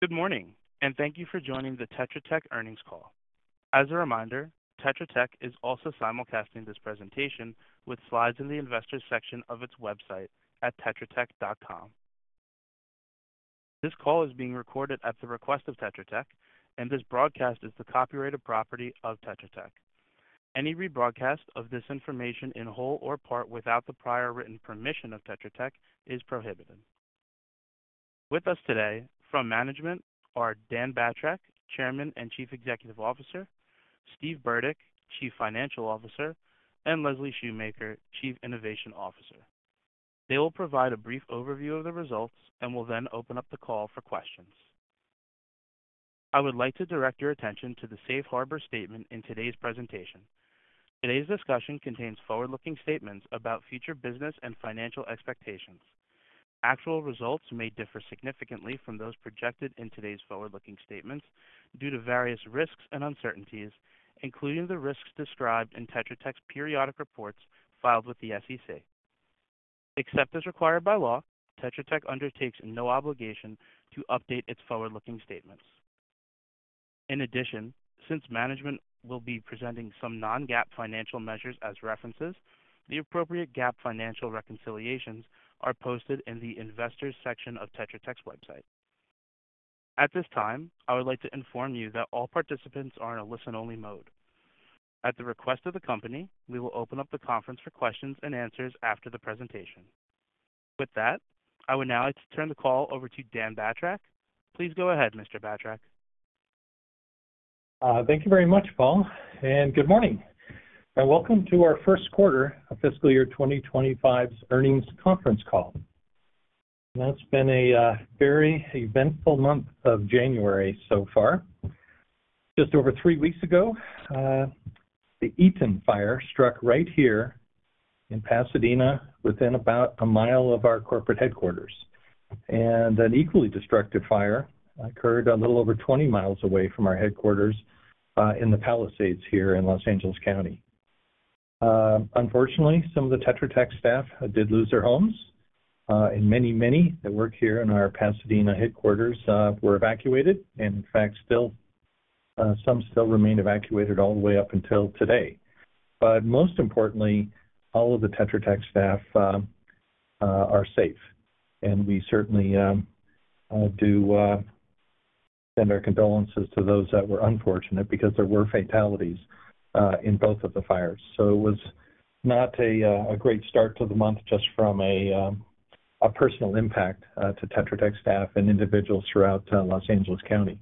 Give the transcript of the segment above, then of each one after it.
Good morning, and thank you for joining the Tetra Tech earnings call. As a reminder, Tetra Tech is also simulcasting this presentation with slides in the investors' section of its website at tetratech.com. This call is being recorded at the request of Tetra Tech, and this broadcast is the copyrighted property of Tetra Tech. Any rebroadcast of this information in whole or part without the prior written permission of Tetra Tech is prohibited. With us today from management are Dan Batrack, Chairman and Chief Executive Officer, Steve Burdick, Chief Financial Officer, and Leslie Shoemaker, Chief Innovation Officer. They will provide a brief overview of the results and will then open up the call for questions. I would like to direct your attention to the safe harbor statement in today's presentation. Today's discussion contains forward-looking statements about future business and financial expectations. Actual results may differ significantly from those projected in today's forward-looking statements due to various risks and uncertainties, including the risks described in Tetra Tech's periodic reports filed with the SEC. Except as required by law, Tetra Tech undertakes no obligation to update its forward-looking statements. In addition, since management will be presenting some non-GAAP financial measures as references, the appropriate GAAP financial reconciliations are posted in the investors' section of Tetra Tech's website. At this time, I would like to inform you that all participants are in a listen-only mode. At the request of the company, we will open up the conference for questions and answers after the presentation. With that, I would now like to turn the call over to Dan Batrack. Please go ahead, Mr. Batrack. Thank you very much, Paul, and good morning. Welcome to our first quarter of fiscal year 2025's earnings conference call. That's been a very eventful month of January so far. Just over three weeks ago, the Eaton Fire struck right here in Pasadena, within about a mile of our corporate headquarters. And an equally destructive fire occurred a little over 20 miles away from our headquarters in the Palisades here in Los Angeles County. Unfortunately, some of the Tetra Tech staff did lose their homes, and many, many that work here in our Pasadena headquarters were evacuated. And in fact, some still remain evacuated all the way up until today. But most importantly, all of the Tetra Tech staff are safe, and we certainly do extend our condolences to those that were unfortunate because there were fatalities in both of the fires. It was not a great start to the month just from a personal impact to Tetra Tech staff and individuals throughout Los Angeles County.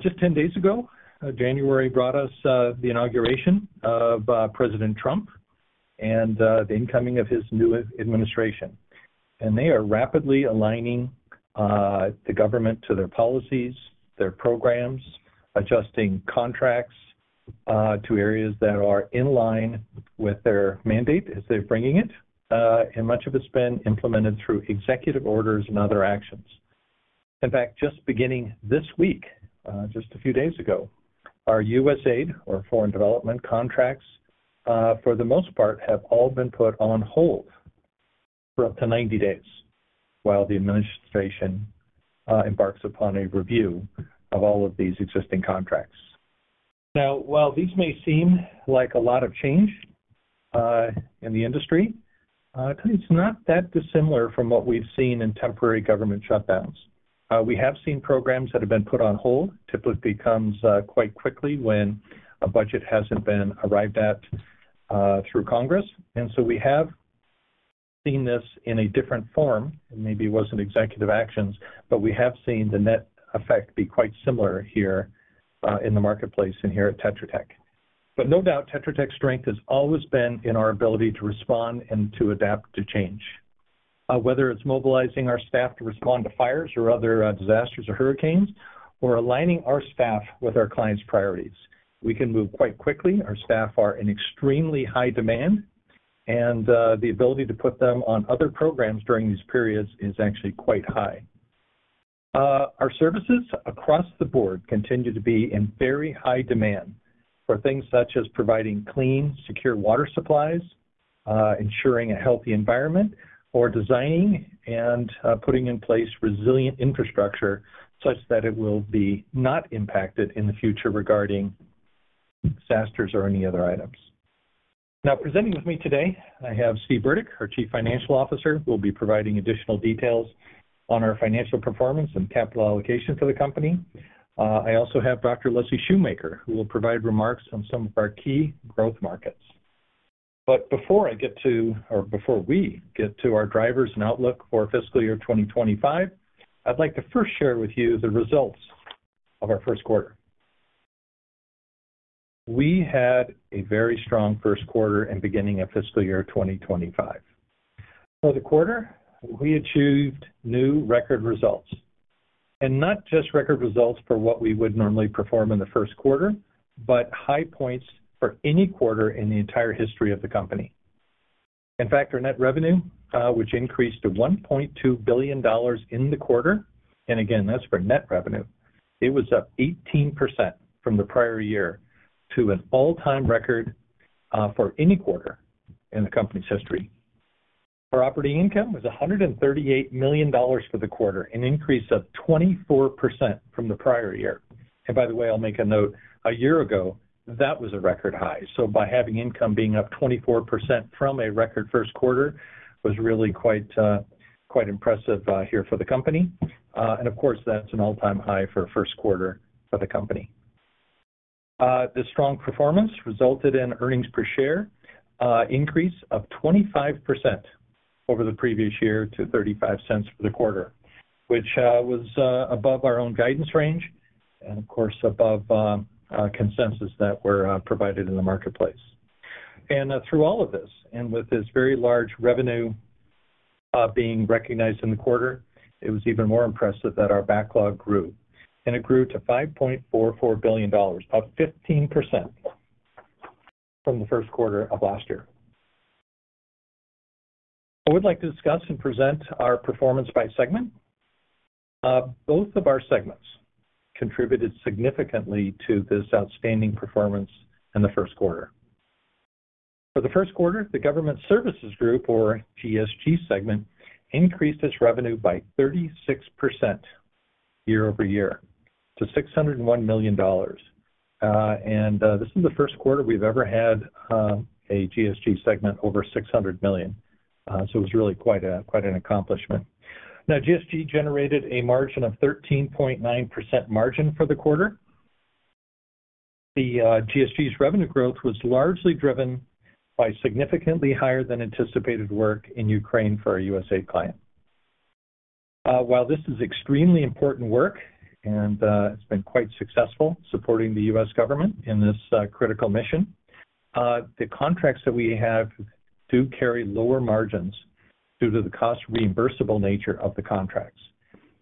Just 10 days ago, January brought us the inauguration of President Trump and the incoming of his new administration. They are rapidly aligning the government to their policies, their programs, adjusting contracts to areas that are in line with their mandate as they're bringing it. Much of it's been implemented through executive orders and other actions. In fact, just beginning this week, just a few days ago, our USAID, or foreign development contracts, for the most part, have all been put on hold for up to 90 days while the administration embarks upon a review of all of these existing contracts. Now, while these may seem like a lot of change in the industry, it's not that dissimilar from what we've seen in temporary government shutdowns. We have seen programs that have been put on hold, typically comes quite quickly when a budget hasn't been arrived at through Congress, and so we have seen this in a different form. It maybe wasn't executive actions, but we have seen the net effect be quite similar here in the marketplace and here at Tetra Tech, but no doubt, Tetra Tech's strength has always been in our ability to respond and to adapt to change. Whether it's mobilizing our staff to respond to fires or other disasters or hurricanes, or aligning our staff with our clients' priorities, we can move quite quickly. Our staff are in extremely high demand, and the ability to put them on other programs during these periods is actually quite high. Our services across the board continue to be in very high demand for things such as providing clean, secure water supplies, ensuring a healthy environment, or designing and putting in place resilient infrastructure such that it will be not impacted in the future regarding disasters or any other items. Now, presenting with me today, I have Steve Burdick, our Chief Financial Officer, who will be providing additional details on our financial performance and capital allocation for the company. I also have Dr. Leslie Shoemaker, who will provide remarks on some of our key growth markets. But before I get to, or before we get to our drivers and outlook for fiscal year 2025, I'd like to first share with you the results of our first quarter. We had a very strong first quarter in beginning of fiscal year 2025. For the quarter, we achieved new record results, and not just record results for what we would normally perform in the first quarter, but high points for any quarter in the entire history of the company. In fact, our net revenue, which increased to $1.2 billion in the quarter, and again, that's for net revenue, it was up 18% from the prior year to an all-time record for any quarter in the company's history. Net income was $138 million for the quarter, an increase of 24% from the prior year, and by the way, I'll make a note, a year ago, that was a record high, so by having income being up 24% from a record first quarter was really quite impressive here for the company. Of course, that's an all-time high for a first quarter for the company. The strong performance resulted in earnings per share increase of 25% over the previous year to $0.35 for the quarter, which was above our own guidance range and, of course, above consensus that were provided in the marketplace. And through all of this, and with this very large revenue being recognized in the quarter, it was even more impressive that our backlog grew. And it grew to $5.44 billion, up 15% from the first quarter of last year. I would like to discuss and present our performance by segment. Both of our segments contributed significantly to this outstanding performance in the first quarter. For the first quarter, the Government Services Group, or GSG segment, increased its revenue by 36% year-over-year to $601 million. And this is the first quarter we've ever had a GSG segment over $600 million. So it was really quite an accomplishment. Now, GSG generated a margin of 13.9% for the quarter. The GSG's revenue growth was largely driven by significantly higher than anticipated work in Ukraine for a USAID client. While this is extremely important work, and it's been quite successful supporting the U.S. government in this critical mission, the contracts that we have do carry lower margins due to the cost-reimbursable nature of the contracts.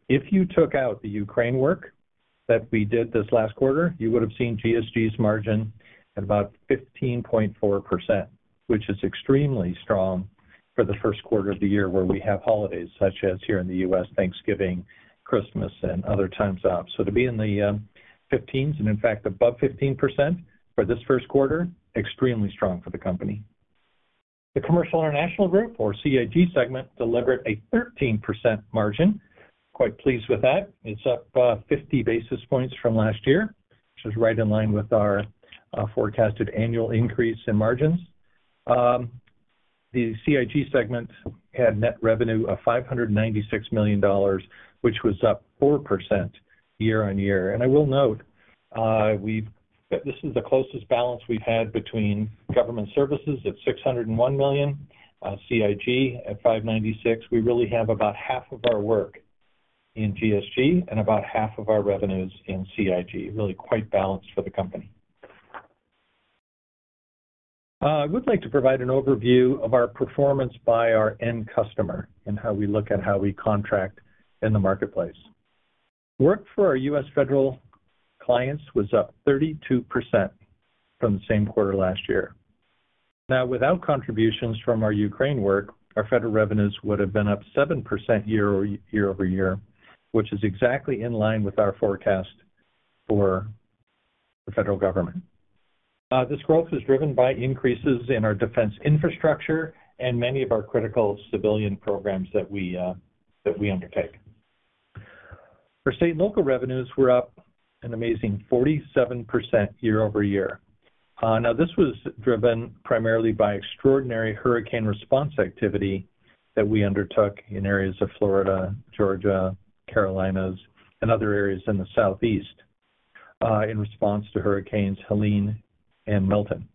If you took out the Ukraine work that we did this last quarter, you would have seen GSG's margin at about 15.4%, which is extremely strong for the first quarter of the year where we have holidays such as here in the U.S., Thanksgiving, Christmas, and other times off. To be in the 15s and in fact above 15% for this first quarter, extremely strong for the company. The Commercial International Group, or CIG segment, delivered a 13% margin. Quite pleased with that. It's up 50 basis points from last year, which is right in line with our forecasted annual increase in margins. The CIG segment had net revenue of $596 million, which was up 4% year-on-year. And I will note this is the closest balance we've had between government services at $601 million, CIG at $596 million. We really have about half of our work in GSG and about half of our revenues in CIG. Really quite balanced for the company. I would like to provide an overview of our performance by our end customer and how we look at how we contract in the marketplace. Work for our U.S. federal clients was up 32% from the same quarter last year. Now, without contributions from our Ukraine work, our federal revenues would have been up 7% year-over-year, which is exactly in line with our forecast for the federal government. This growth is driven by increases in our defense infrastructure and many of our critical civilian programs that we undertake. For state and local revenues, we're up an amazing 47% year-over-year. Now, this was driven primarily by extraordinary hurricane response activity that we undertook in areas of Florida, Georgia, Carolinas, and other areas in the Southeast in response to hurricanes Helene and Milton.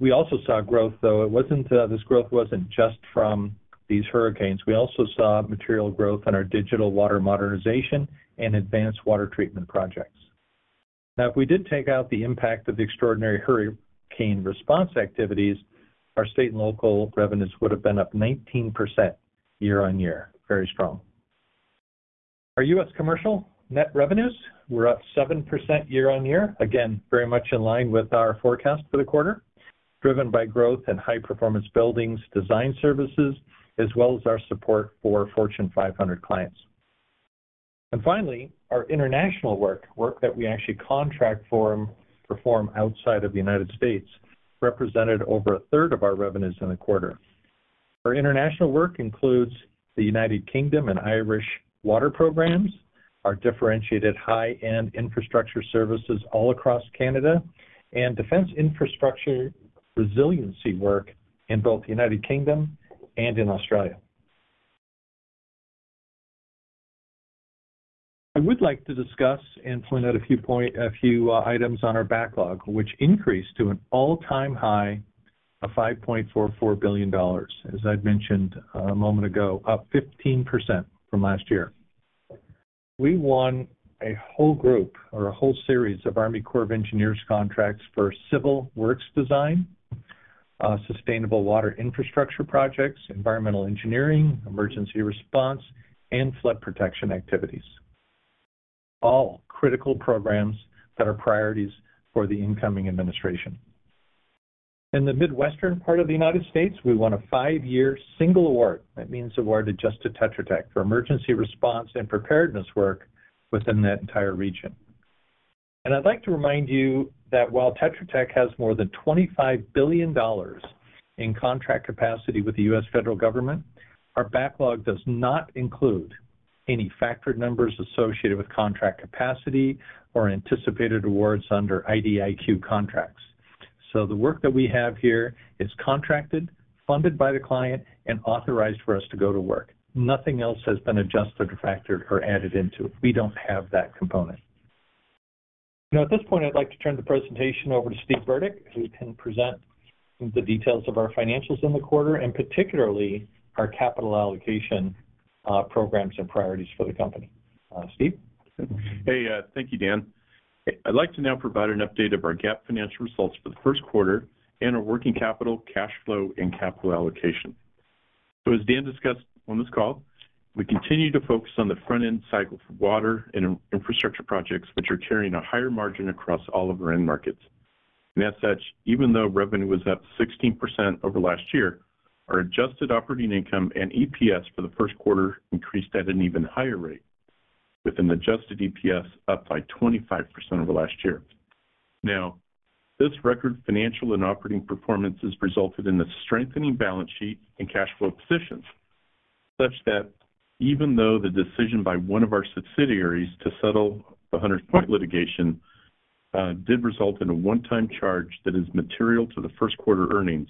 We also saw growth, though this growth wasn't just from these hurricanes. We also saw material growth in our digital water modernization and advanced water treatment projects. Now, if we did take out the impact of the extraordinary hurricane response activities, our state and local revenues would have been up 19% year-on-year. Very strong. Our U.S. commercial net revenues were up 7% year-on-year. Again, very much in line with our forecast for the quarter, driven by growth and High Performance Buildings, design services, as well as our support for Fortune 500 clients. And finally, our international work, work that we actually contract for and perform outside of the United States, represented over a third of our revenues in the quarter. Our international work includes the United Kingdom and Irish water programs, our differentiated high-end infrastructure services all across Canada, and defense infrastructure resiliency work in both the United Kingdom and in Australia. I would like to discuss and point out a few items on our backlog, which increased to an all-time high of $5.44 billion, as I'd mentioned a moment ago, up 15% from last year. We won a whole group or a whole series of U.S. Army Corps of Engineers contracts for civil works design, sustainable water infrastructure projects, environmental engineering, emergency response, and flood protection activities. All critical programs that are priorities for the incoming administration. In the midwestern part of the United States, we won a five-year single award. That means awarded just to Tetra Tech for emergency response and preparedness work within that entire region. And I'd like to remind you that while Tetra Tech has more than $25 billion in contract capacity with the U.S. federal government, our backlog does not include any factored numbers associated with contract capacity or anticipated awards under IDIQ contracts. So the work that we have here is contracted, funded by the client, and authorized for us to go to work. Nothing else has been adjusted or factored or added into it. We don't have that component. Now, at this point, I'd like to turn the presentation over to Steve Burdick, who can present the details of our financials in the quarter, and particularly our capital allocation programs and priorities for the company. Steve? Hey, thank you, Dan. I'd like to now provide an update of our GAAP financial results for the first quarter and our working capital cash flow and capital allocation. So as Dan discussed on this call, we continue to focus on the front-end cycle for water and infrastructure projects, which are carrying a higher margin across all of our end markets. And as such, even though revenue was up 16% over last year, our adjusted operating income and EPS for the first quarter increased at an even higher rate, with an Adjusted EPS up by 25% over last year. Now, this record financial and operating performance has resulted in a strengthening balance sheet and cash flow positions, such that even though the decision by one of our subsidiaries to settle the Hunters Point litigation did result in a one-time charge that is material to the first quarter earnings,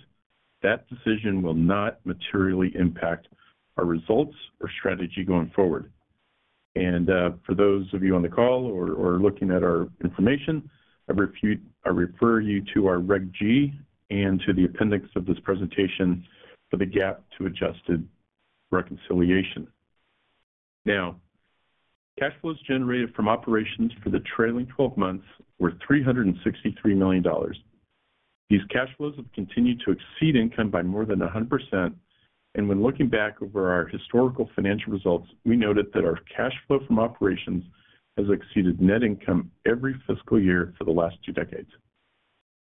that decision will not materially impact our results or strategy going forward. And for those of you on the call or looking at our information, I refer you to our Reg G and to the appendix of this presentation for the GAAP to adjusted reconciliation. Now, cash flows generated from operations for the trailing 12 months were $363 million. These cash flows have continued to exceed income by more than 100%, and when looking back over our historical financial results, we noted that our cash flow from operations has exceeded net income every fiscal year for the last two decades.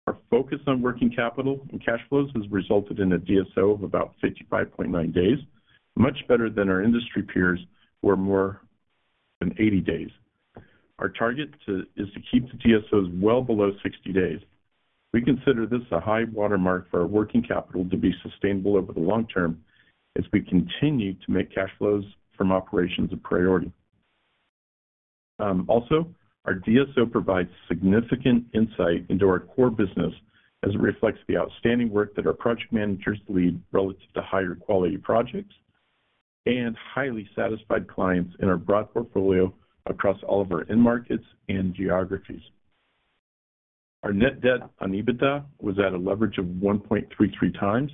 Our focus on working capital and cash flows has resulted in a DSO of about 55.9 days, much better than our industry peers where more than 80 days. Our target is to keep the DSOs well below 60 days. We consider this a high watermark for our working capital to be sustainable over the long term as we continue to make cash flows from operations a priority. Also, our DSO provides significant insight into our core business as it reflects the outstanding work that our project managers lead relative to higher quality projects and highly satisfied clients in our broad portfolio across all of our end markets and geographies. Our net debt to EBITDA was at a leverage of 1.33 times,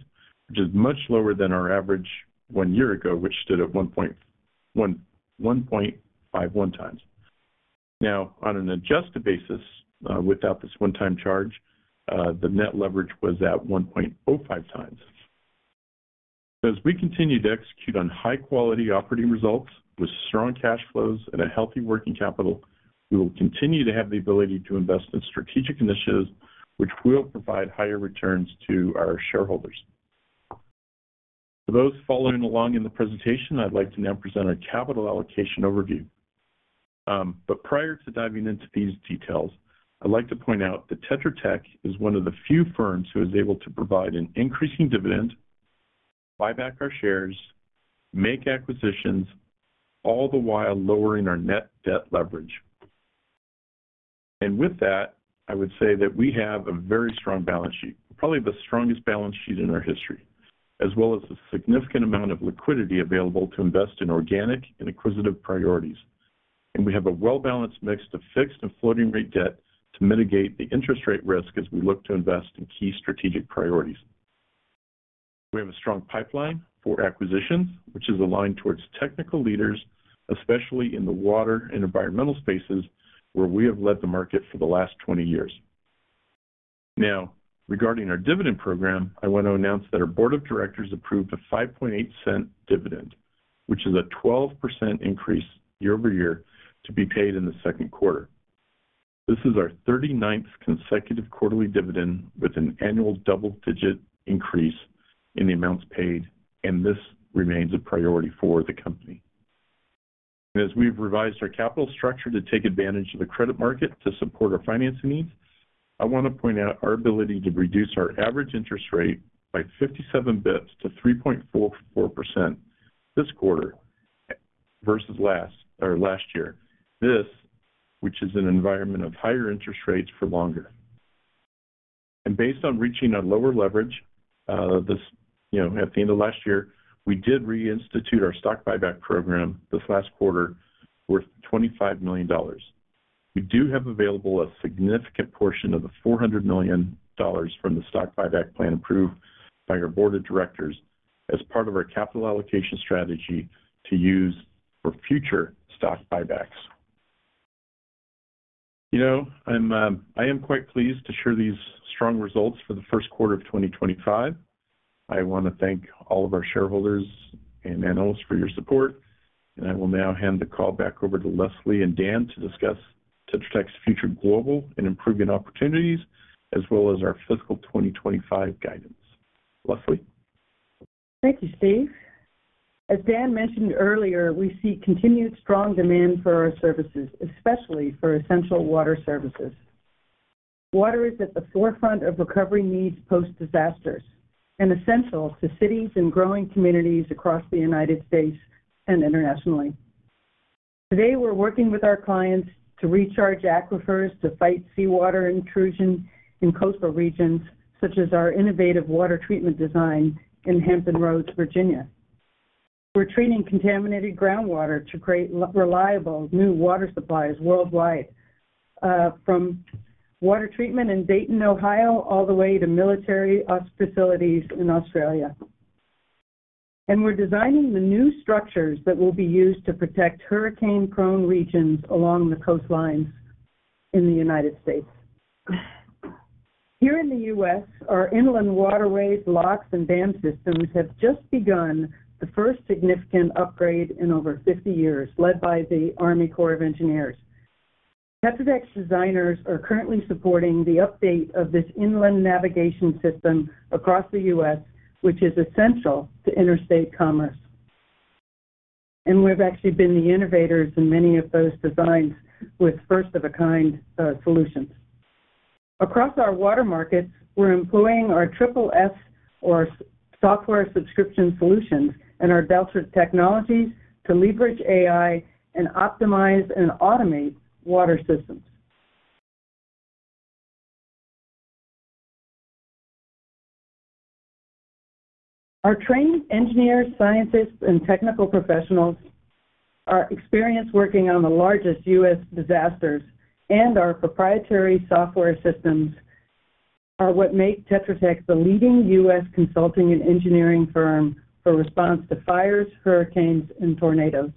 which is much lower than our average one year ago, which stood at 1.51 times. Now, on an adjusted basis, without this one-time charge, the net leverage was at 1.05 times. As we continue to execute on high-quality operating results with strong cash flows and a healthy working capital, we will continue to have the ability to invest in strategic initiatives, which will provide higher returns to our shareholders. For those following along in the presentation, I'd like to now present our capital allocation overview. But prior to diving into these details, I'd like to point out that Tetra Tech is one of the few firms who is able to provide an increasing dividend, buy back our shares, make acquisitions, all the while lowering our net debt leverage. With that, I would say that we have a very strong balance sheet, probably the strongest balance sheet in our history, as well as a significant amount of liquidity available to invest in organic and acquisitive priorities. We have a well-balanced mix of fixed and floating rate debt to mitigate the interest rate risk as we look to invest in key strategic priorities. We have a strong pipeline for acquisitions, which is aligned towards technical leaders, especially in the water and environmental spaces where we have led the market for the last 20 years. Now, regarding our dividend program, I want to announce that our board of directors approved a $0.058 dividend, which is a 12% increase year-over-year to be paid in the second quarter. This is our 39th consecutive quarterly dividend with an annual double-digit increase in the amounts paid, and this remains a priority for the company, and as we've revised our capital structure to take advantage of the credit market to support our financing needs, I want to point out our ability to reduce our average interest rate by 57 basis points to 3.44% this quarter versus last year. This, which is an environment of higher interest rates for longer, and based on reaching a lower leverage, at the end of last year, we did reinstitute our stock buyback program this last quarter worth $25 million. We do have available a significant portion of the $400 million from the stock buyback plan approved by our board of directors as part of our capital allocation strategy to use for future stock buybacks. I am quite pleased to share these strong results for the first quarter of 2025. I want to thank all of our shareholders and analysts for your support. I will now hand the call back over to Leslie and Dan to discuss Tetra Tech's future global and improvement opportunities, as well as our fiscal 2025 guidance. Leslie? Thank you, Steve. As Dan mentioned earlier, we see continued strong demand for our services, especially for essential water services. Water is at the forefront of recovery needs post-disasters and essential to cities and growing communities across the United States and internationally. Today, we're working with our clients to recharge aquifers to fight seawater intrusion in coastal regions, such as our innovative water treatment design in Hampton Roads, Virginia. We're treating contaminated groundwater to create reliable new water supplies worldwide, from water treatment in Dayton, Ohio, all the way to military facilities in Australia, and we're designing the new structures that will be used to protect hurricane-prone regions along the coastlines in the United States. Here in the U.S., our inland waterways, locks, and dam systems have just begun the first significant upgrade in over 50 years, led by the Army Corps of Engineers. Tetra Tech's designers are currently supporting the update of this inland navigation system across the U.S., which is essential to interstate commerce, and we've actually been the innovators in many of those designs with first-of-its-kind solutions. Across our water markets, we're employing our Triple-S or software subscription solutions and our Delta Technologies to leverage AI and optimize and automate water systems. Our trained engineers, scientists, and technical professionals are experienced working on the largest U.S. disasters, and our proprietary software systems are what make Tetra Tech the leading U.S. consulting and engineering firm for response to fires, hurricanes, and tornadoes.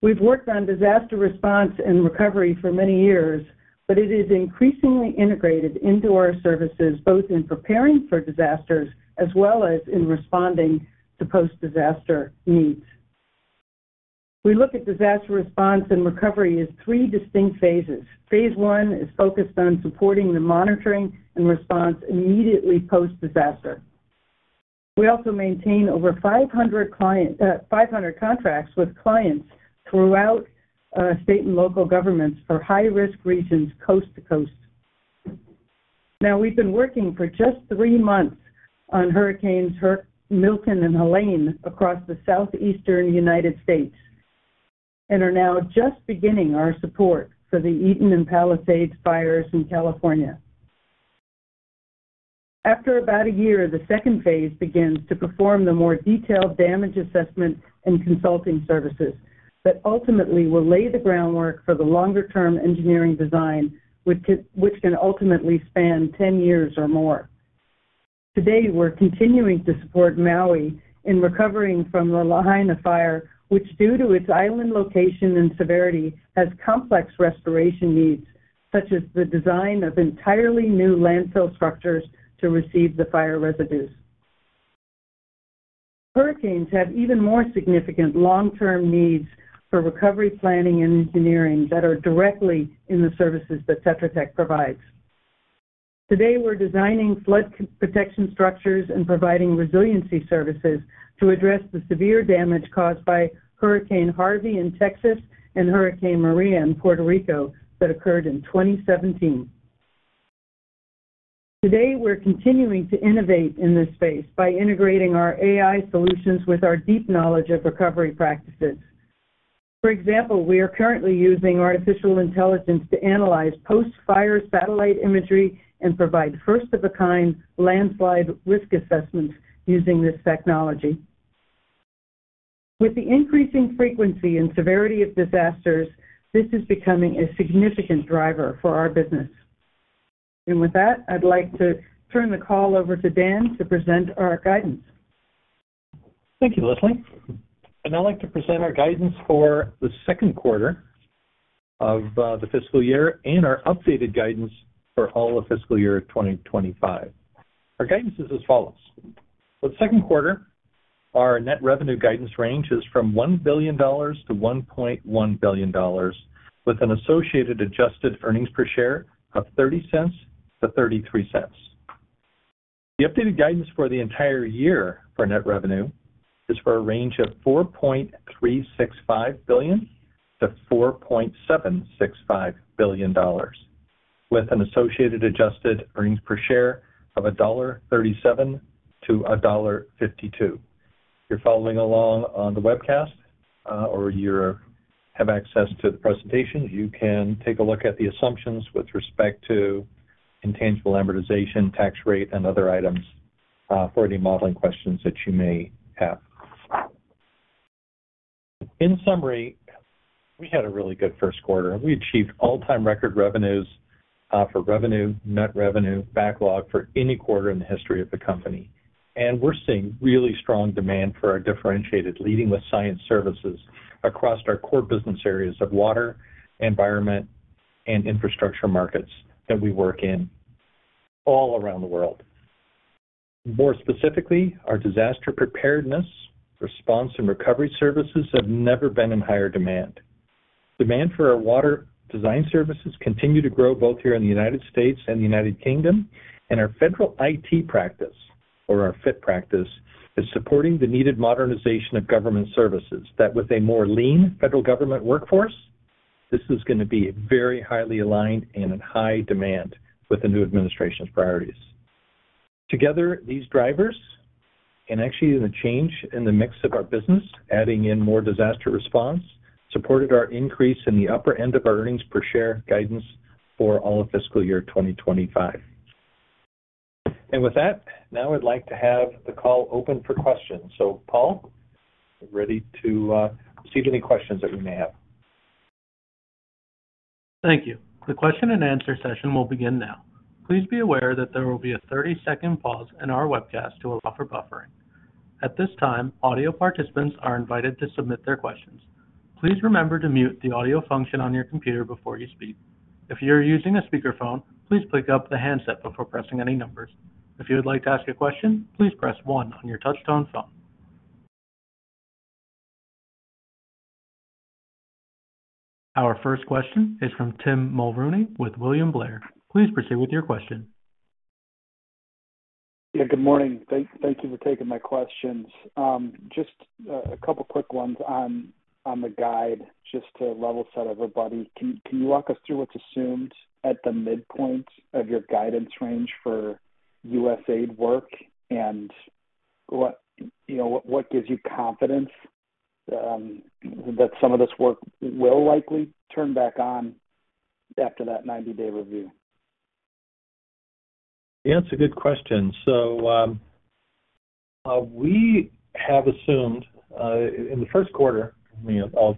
We've worked on disaster response and recovery for many years, but it is increasingly integrated into our services, both in preparing for disasters as well as in responding to post-disaster needs. We look at disaster response and recovery as three distinct phases. Phase one is focused on supporting the monitoring and response immediately post-disaster. We also maintain over 500 contracts with clients throughout state and local governments for high-risk regions coast to coast. Now, we've been working for just three months on hurricanes Milton and Helene across the southeastern United States and are now just beginning our support for the Eaton and Palisades fires in California. After about a year, the second phase begins to perform the more detailed damage assessment and consulting services that ultimately will lay the groundwork for the longer-term engineering design, which can ultimately span 10 years or more. Today, we're continuing to support Maui in recovering from the Lahaina Fire, which, due to its island location and severity, has complex restoration needs, such as the design of entirely new landfill structures to receive the fire residues. Hurricanes have even more significant long-term needs for recovery planning and engineering that are directly in the services that Tetra Tech provides. Today, we're designing flood protection structures and providing resiliency services to address the severe damage caused by Hurricane Harvey in Texas and Hurricane Maria in Puerto Rico that occurred in 2017. Today, we're continuing to innovate in this space by integrating our AI solutions with our deep knowledge of recovery practices. For example, we are currently using artificial intelligence to analyze post-fire satellite imagery and provide first-of-its-kind landslide risk assessments using this technology. With the increasing frequency and severity of disasters, this is becoming a significant driver for our business. And with that, I'd like to turn the call over to Dan to present our guidance. Thank you, Leslie. And I'd like to present our guidance for the second quarter of the fiscal year and our updated guidance for all of fiscal year 2025. Our guidance is as follows. For the second quarter, our net revenue guidance range is $1 billion-$1.1 billion, with an associated adjusted earnings per share of $0.30-$0.33. The updated guidance for the entire year for net revenue is $4.365 billion-$4.765 billion, with an associated adjusted earnings per share of $1.37-$1.52. If you're following along on the webcast or you have access to the presentation, you can take a look at the assumptions with respect to intangible amortization, tax rate, and other items for any modeling questions that you may have. In summary, we had a really good first quarter. We achieved all-time record revenues for revenue, net revenue, backlog for any quarter in the history of the company. And we're seeing really strong demand for our differentiated Leading with Science services across our core business areas of water, environment, and infrastructure markets that we work in all around the world. More specifically, our disaster preparedness, response, and recovery services have never been in higher demand. Demand for our water design services continues to grow both here in the United States and the United Kingdom. And our Federal IT practice, or our FIT practice, is supporting the needed modernization of government services that, with a more lean federal government workforce, this is going to be very highly aligned and in high demand with the new administration's priorities. Together, these drivers, and actually the change in the mix of our business, adding in more disaster response, supported our increase in the upper end of our earnings per share guidance for all of fiscal year 2025. And with that, now I'd like to have the call open for questions. So, Paul, ready to receive any questions that we may have? Thank you. The question and answer session will begin now. Please be aware that there will be a 30-second pause in our webcast to allow for buffering. At this time, audio participants are invited to submit their questions. Please remember to mute the audio function on your computer before you speak. If you're using a speakerphone, please pick up the handset before pressing any numbers. If you would like to ask a question, please press one on your touch-tone phone. Our first question is from Tim Mulrooney with William Blair. Please proceed with your question. Good morning. Thank you for taking my questions. Just a couple of quick ones on the guide, just to level set everybody. Can you walk us through what's assumed at the midpoint of your guidance range for USAID work, and what gives you confidence that some of this work will likely turn back on after that 90-day review? Yeah, it's a good question. So we have assumed in the first quarter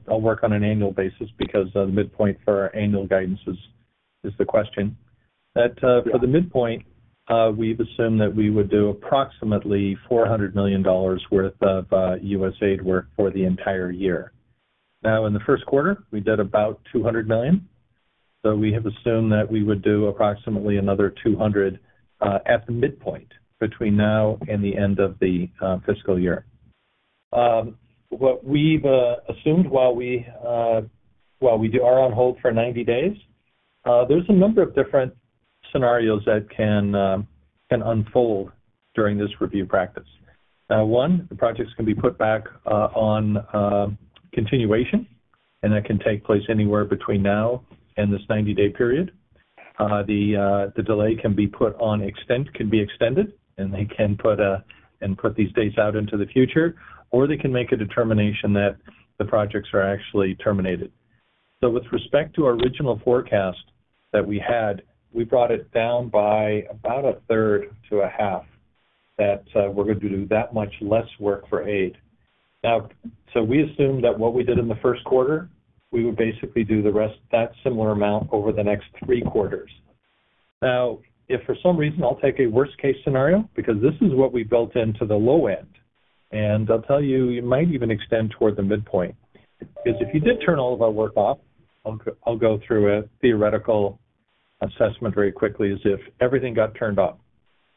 I'll work on an annual basis because the midpoint for our annual guidance is the question that for the midpoint, we've assumed that we would do approximately $400 million worth of USAID work for the entire year. Now, in the first quarter, we did about $200 million. So we have assumed that we would do approximately another $200 million at the midpoint between now and the end of the fiscal year. What we've assumed while we are on hold for 90 days, there's a number of different scenarios that can unfold during this review process. One, the projects can be put back on continuation, and that can take place anywhere between now and this 90-day period. The delay can be put on extension, can be extended, and they can put these dates out into the future, or they can make a determination that the projects are actually terminated. So with respect to our original forecast that we had, we brought it down by about a third to a half that we're going to do that much less work for aid. Now, so we assumed that what we did in the first quarter, we would basically do the rest of that similar amount over the next three quarters. Now, if for some reason I'll take a worst-case scenario because this is what we built into the low end, and I'll tell you it might even extend toward the midpoint, because if you did turn all of our work off, I'll go through a theoretical assessment very quickly as if everything got turned off.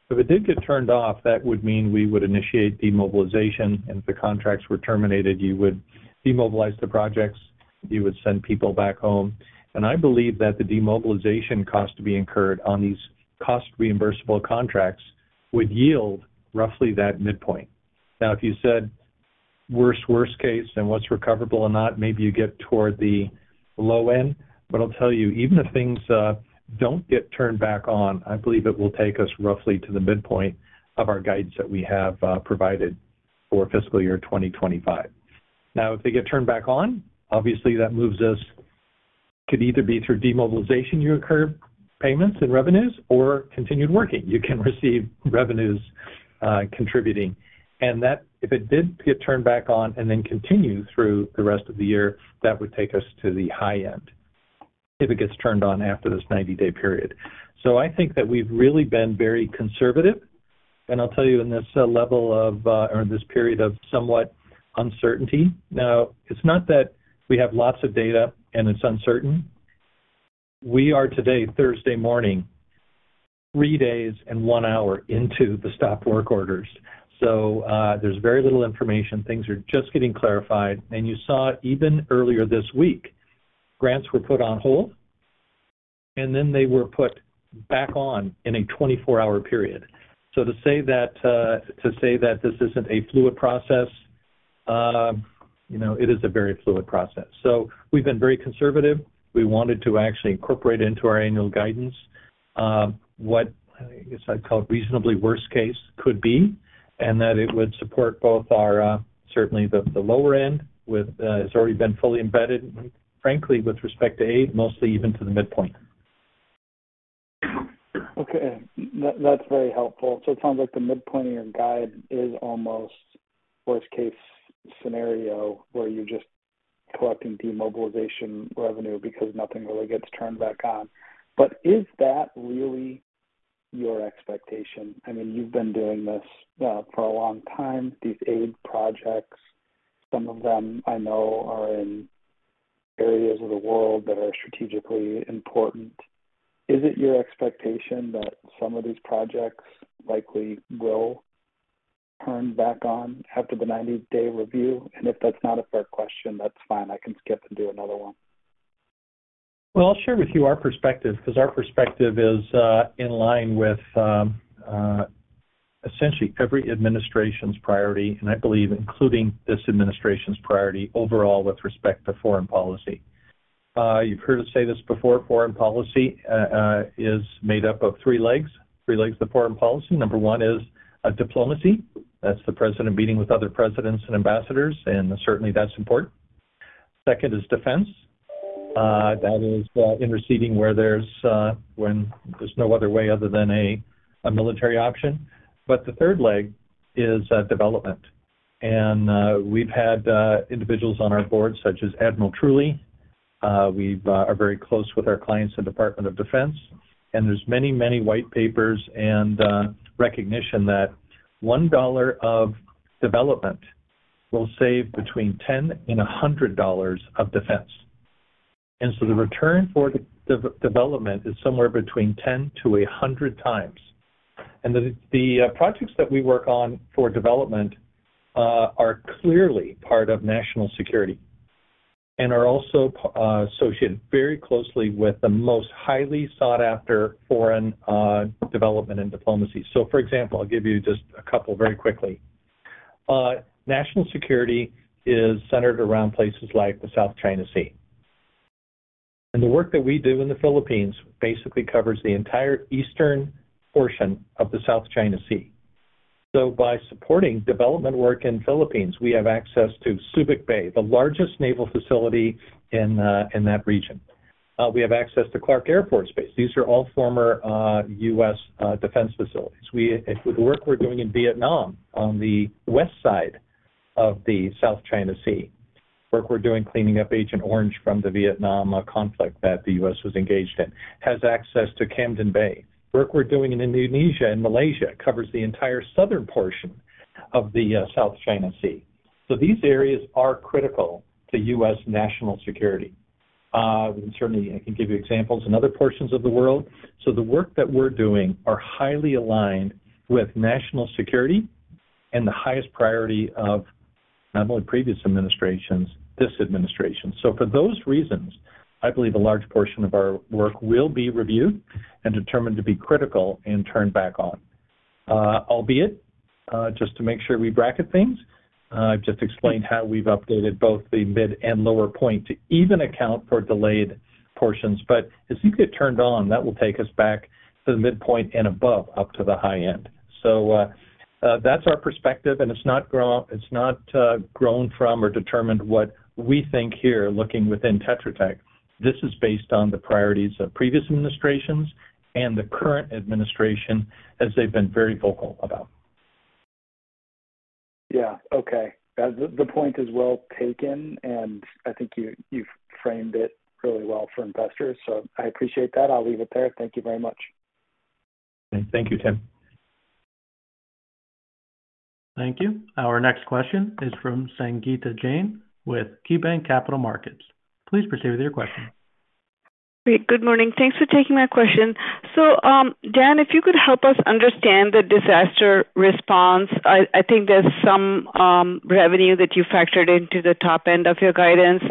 If it did get turned off, that would mean we would initiate demobilization, and if the contracts were terminated, you would demobilize the projects, you would send people back home, and I believe that the demobilization cost to be incurred on these cost-reimbursable contracts would yield roughly that midpoint. Now, if you said worst-worst case and what's recoverable or not, maybe you get toward the low end, but I'll tell you, even if things don't get turned back on, I believe it will take us roughly to the midpoint of our guidance that we have provided for fiscal year 2025. Now, if they get turned back on, obviously that moves us, could either be through demobilization you incurred, payments and revenues, or continued working. You can receive revenues contributing. And if it did get turned back on and then continue through the rest of the year, that would take us to the high end if it gets turned on after this 90-day period. So I think that we've really been very conservative. And I'll tell you in this level of or this period of somewhat uncertainty. Now, it's not that we have lots of data and it's uncertain. We are today, Thursday morning, three days and one hour into the stop work orders. So there's very little information. Things are just getting clarified. And you saw even earlier this week, grants were put on hold, and then they were put back on in a 24-hour period. So to say that this isn't a fluid process, it is a very fluid process. So we've been very conservative. We wanted to actually incorporate into our annual guidance what I guess I'd call reasonably worst-case could be, and that it would support both our certainly the lower end with it's already been fully embedded, frankly, with respect to aid, mostly even to the midpoint. Okay. That's very helpful. So it sounds like the midpoint of your guide is almost worst-case scenario where you're just collecting demobilization revenue because nothing really gets turned back on. But is that really your expectation? I mean, you've been doing this for a long time, these aid projects. Some of them I know are in areas of the world that are strategically important. Is it your expectation that some of these projects likely will turn back on after the 90-day review? And if that's not a fair question, that's fine. I can skip and do another one. I'll share with you our perspective because our perspective is in line with essentially every administration's priority, and I believe including this administration's priority overall with respect to foreign policy. You've heard us say this before. Foreign policy is made up of three legs. Three legs of foreign policy. Number one is diplomacy. That's the president meeting with other presidents and ambassadors, and certainly that's important. Second is defense. That is interceding where there's no other way other than a military option. But the third leg is development. And we've had individuals on our board such as Admiral Truly. We are very close with our clients in Department of Defense. And there's many, many white papers and recognition that $1 of development will save between $10 and $100 of defense. And so the return for development is somewhere between 10 to 100 times. The projects that we work on for development are clearly part of national security and are also associated very closely with the most highly sought-after foreign development and diplomacy. So, for example, I'll give you just a couple very quickly. National security is centered around places like the South China Sea. And the work that we do in the Philippines basically covers the entire eastern portion of the South China Sea. So by supporting development work in the Philippines, we have access to Subic Bay, the largest naval facility in that region. We have access to Clark Air Force Base. These are all former U.S. defense facilities. The work we're doing in Vietnam on the west side of the South China Sea, work we're doing cleaning up Agent Orange from the Vietnam conflict that the U.S. was engaged in, has access to Cam Ranh Bay. Work we're doing in Indonesia and Malaysia covers the entire southern portion of the South China Sea. So these areas are critical to U.S. national security. Certainly, I can give you examples in other portions of the world. So the work that we're doing is highly aligned with national security and the highest priority of not only previous administrations, this administration. So for those reasons, I believe a large portion of our work will be reviewed and determined to be critical and turned back on. Albeit, just to make sure we bracket things, I've just explained how we've updated both the mid and lower point to even account for delayed portions. But as soon as it gets turned on, that will take us back to the midpoint and above up to the high end. So that's our perspective. It’s not grown from or determined what we think here, looking within Tetra Tech. This is based on the priorities of previous administrations and the current administration as they’ve been very vocal about. Yeah. Okay. The point is well taken, and I think you’ve framed it really well for investors. So I appreciate that. I’ll leave it there. Thank you very much. Thank you, Tim. Thank you. Our next question is from Sangita Jain with KeyBanc Capital Markets. Please proceed with your question. Great. Good morning. Thanks for taking my question. So, Dan, if you could help us understand the disaster response, I think there’s some revenue that you factored into the top end of your guidance.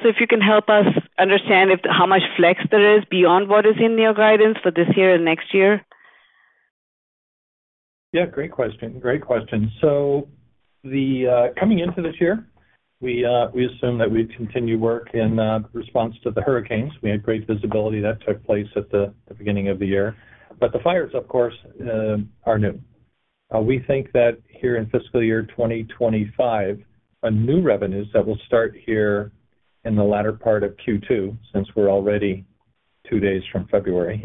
So if you can help us understand how much flex there is beyond what is in your guidance for this year and next year? Yeah. Great question. Great question. So coming into this year, we assume that we continue work in response to the hurricanes. We had great visibility that took place at the beginning of the year. But the fires, of course, are new. We think that here in fiscal year 2025, a new revenue that will start here in the latter part of Q2, since we're already two days from February,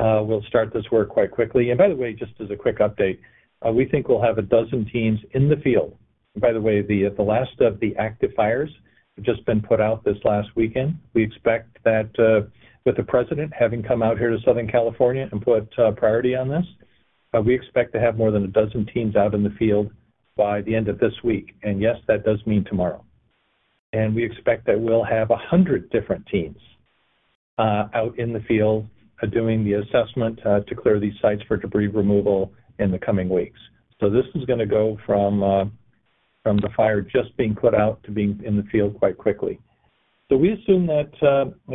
will start this work quite quickly. And by the way, just as a quick update, we think we'll have a dozen teams in the field. By the way, the last of the active fires have just been put out this last weekend. We expect that with the president having come out here to Southern California and put priority on this, we expect to have more than a dozen teams out in the field by the end of this week. And yes, that does mean tomorrow. We expect that we'll have 100 different teams out in the field doing the assessment to clear these sites for debris removal in the coming weeks. So this is going to go from the fire just being put out to being in the field quite quickly. So we assume that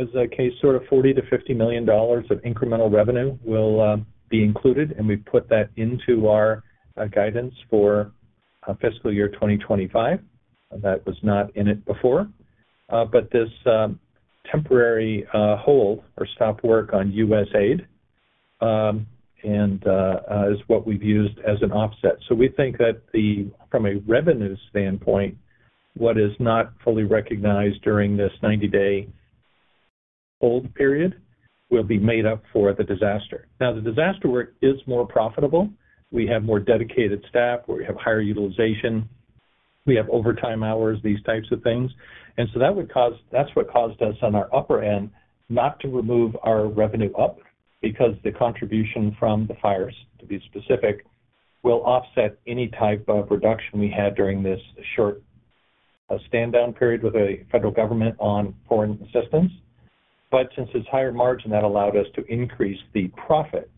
as a case, sort of $40 million-$50 million of incremental revenue will be included. And we've put that into our guidance for fiscal year 2025. That was not in it before. But this temporary hold or stop work on USAID is what we've used as an offset. So we think that from a revenue standpoint, what is not fully recognized during this 90-day hold period will be made up for the disaster. Now, the disaster work is more profitable. We have more dedicated staff. We have higher utilization. We have overtime hours, these types of things. And so that's what caused us on our upper end not to remove our revenue up, because the contribution from the fires, to be specific, will offset any type of reduction we had during this short stand-down period with the federal government on foreign assistance. But since it's higher margin, that allowed us to increase the profit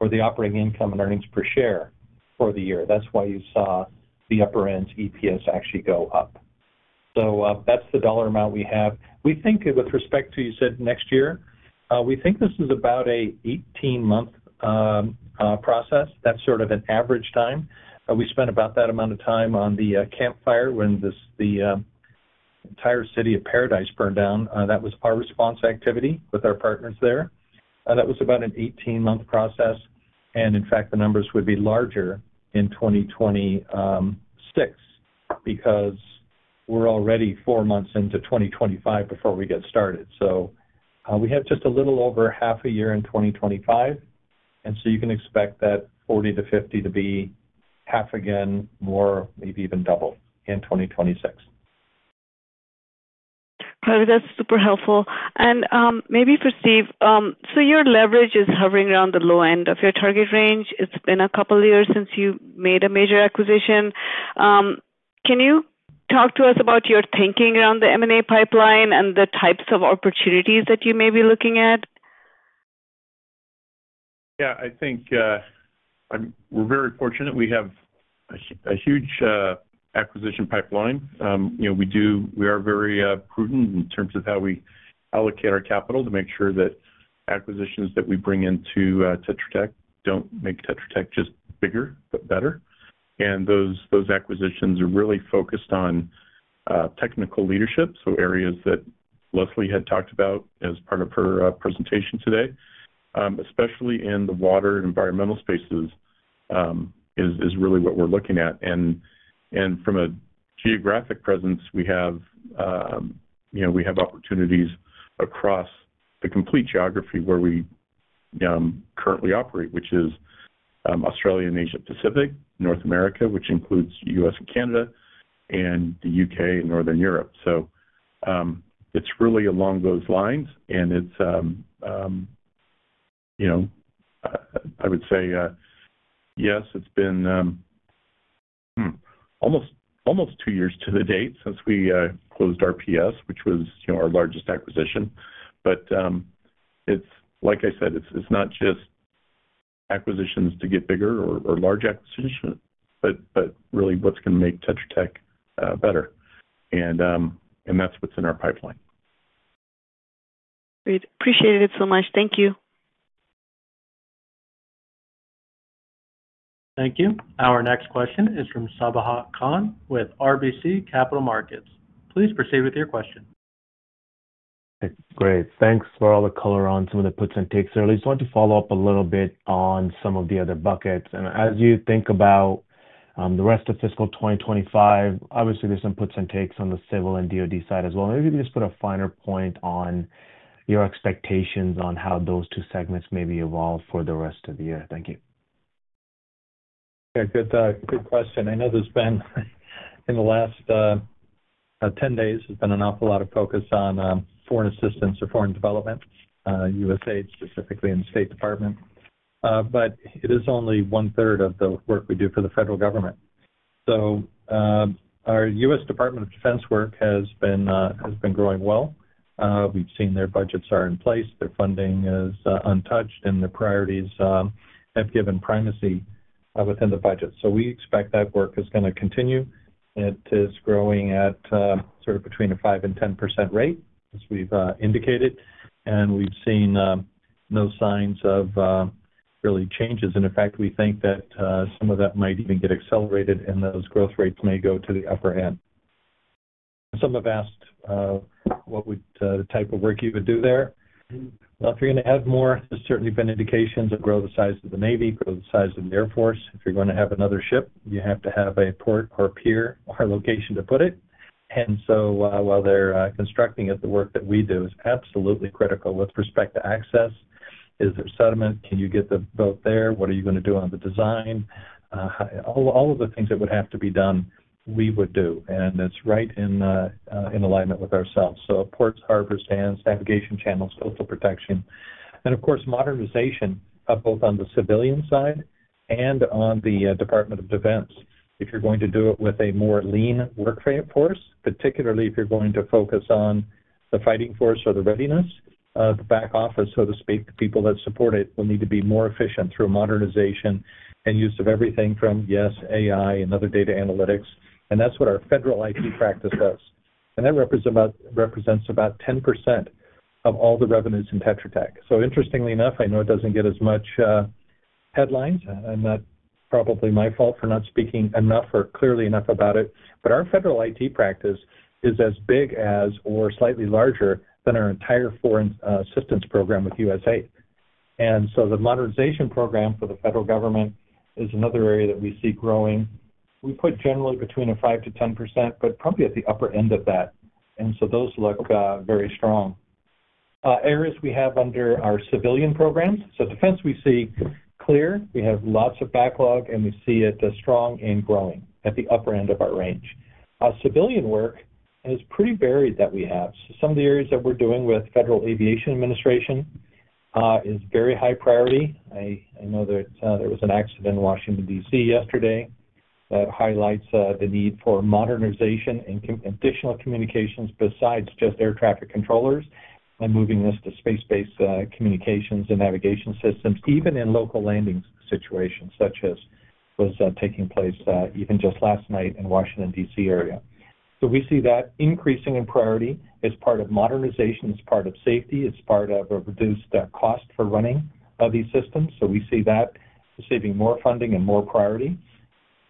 or the operating income and earnings per share for the year. That's why you saw the upper end's EPS actually go up. So that's the dollar amount we have. We think with respect to, you said, next year, we think this is about an 18-month process. That's sort of an average time. We spent about that amount of time on the Camp Fire when the entire city of Paradise burned down. That was our response activity with our partners there. That was about an 18-month process. In fact, the numbers would be larger in 2026 because we're already four months into 2025 before we get started. We have just a little over half a year in 2025. You can expect that 40-50 to be half again, or maybe even double in 2026. That's super helpful. Maybe for Steve, your leverage is hovering around the low end of your target range. It's been a couple of years since you made a major acquisition. Can you talk to us about your thinking around the M&A pipeline and the types of opportunities that you may be looking at? Yeah. I think we're very fortunate. We have a huge acquisition pipeline. We are very prudent in terms of how we allocate our capital to make sure that acquisitions that we bring into Tetra Tech don't make Tetra Tech just bigger, but better. Those acquisitions are really focused on technical leadership. Areas that Leslie had talked about as part of her presentation today, especially in the water and environmental spaces, is really what we're looking at. From a geographic presence, we have opportunities across the complete geography where we currently operate, which is Australia and Asia Pacific, North America, which includes the U.S. and Canada, and the U.K. and Northern Europe. It's really along those lines. I would say, yes, it's been almost two years to the date since we closed RPS, which was our largest acquisition. Like I said, it's not just acquisitions to get bigger or large acquisitions, but really what's going to make Tetra Tech better. That's what's in our pipeline. Great. Appreciate it so much. Thank you. Thank you. Our next question is from Sabahat Khan with RBC Capital Markets. Please proceed with your question. Great. Thanks for all the color on some of the puts and takes there. I just wanted to follow up a little bit on some of the other buckets. And as you think about the rest of fiscal 2025, obviously, there's some puts and takes on the civil and DOD side as well. Maybe you can just put a finer point on your expectations on how those two segments may be evolved for the rest of the year. Thank you. Okay. Good question. I know there's been in the last 10 days, there's been an awful lot of focus on foreign assistance or foreign development, USAID specifically in the State Department. But it is only one-third of the work we do for the federal government. So our U.S. Department of Defense work has been growing well. We've seen their budgets are in place. Their funding is untouched, and their priorities have given primacy within the budget, so we expect that work is going to continue. It is growing at sort of between a 5%-10% rate, as we've indicated, and we've seen no signs of real changes. In fact, we think that some of that might even get accelerated, and those growth rates may go to the upper end. Some have asked what type of work you would do there. Well, if you're going to add more, there's certainly been indications to grow the size of the Navy, grow the size of the Air Force. If you're going to have another ship, you have to have a port or pier or location to put it. And so while they're constructing it, the work that we do is absolutely critical with respect to access. Is there sediment? Can you get the boat there? What are you going to do on the design? All of the things that would have to be done, we would do. And it's right in alignment with ourselves. So ports, harbors, dams, navigation channels, coastal protection. And of course, modernization both on the civilian side and on the Department of Defense. If you're going to do it with a more lean workforce, particularly if you're going to focus on the fighting force or the readiness, the back office, so to speak, the people that support it will need to be more efficient through modernization and use of everything from, yes, AI and other data analytics. And that's what our Federal IT practice does. And that represents about 10% of all the revenues in Tetra Tech. So interestingly enough, I know it doesn't get as much headlines. That's probably my fault for not speaking enough or clearly enough about it. Our Federal IT practice is as big or slightly larger than our entire foreign assistance program with USAID. The modernization program for the federal government is another area that we see growing. We put generally between 5%-10%, but probably at the upper end of that. Those look very strong. Areas we have under our civilian programs. Defense, we see clear. We have lots of backlog, and we see it strong and growing at the upper end of our range. Civilian work is pretty varied that we have. Some of the areas that we're doing with Federal Aviation Administration is very high priority. I know that there was an accident in Washington, D.C., yesterday that highlights the need for modernization and additional communications besides just air traffic controllers and moving this to space-based communications and navigation systems, even in local landing situations, such as was taking place even just last night in Washington, D.C., area. So we see that increasing in priority as part of modernization, as part of safety, as part of a reduced cost for running of these systems. So we see that receiving more funding and more priority.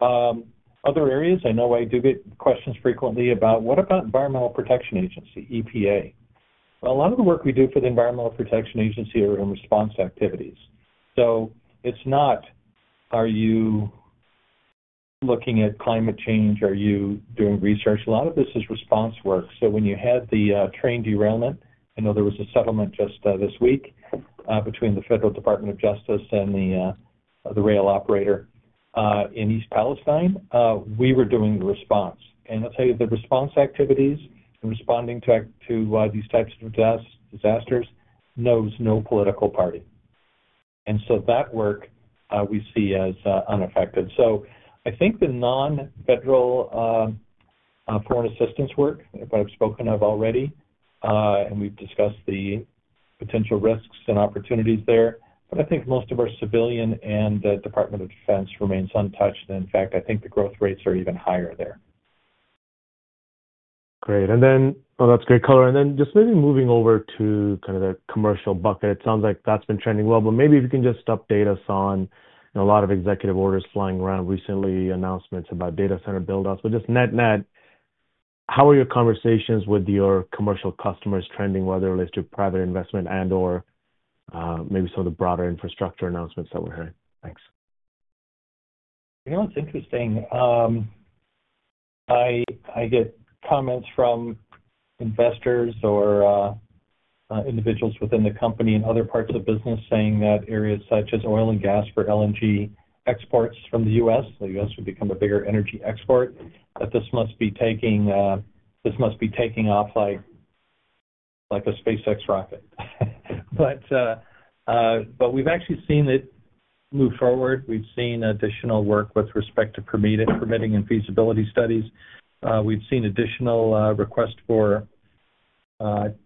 Other areas, I know I do get questions frequently about, what about Environmental Protection Agency, EPA? Well, a lot of the work we do for the Environmental Protection Agency are in response activities. So it's not, are you looking at climate change? Are you doing research? A lot of this is response work. So when you had the train derailment, I know there was a settlement just this week between the Department of Justice and the rail operator in East Palestine. We were doing the response. And I'll tell you, the response activities and responding to these types of disasters knows no political party. And so that work we see as unaffected. So I think the non-federal foreign assistance work that I've spoken of already, and we've discussed the potential risks and opportunities there. But I think most of our civilian and Department of Defense remains untouched. And in fact, I think the growth rates are even higher there. Great. And then, well, that's great color. And then just maybe moving over to kind of the commercial bucket, it sounds like that's been trending well. But maybe if you can just update us on a lot of executive orders flying around recently, announcements about data center build-outs. But just net-net, how are your conversations with your commercial customers trending, whether it relates to private investment and/or maybe some of the broader infrastructure announcements that we're hearing? Thanks. You know what's interesting? I get comments from investors or individuals within the company and other parts of business saying that areas such as oil and gas for LNG exports from the U.S., the U.S. would become a bigger energy export, that this must be taking off like a SpaceX rocket. But we've actually seen it move forward. We've seen additional work with respect to permitting and feasibility studies. We've seen additional requests for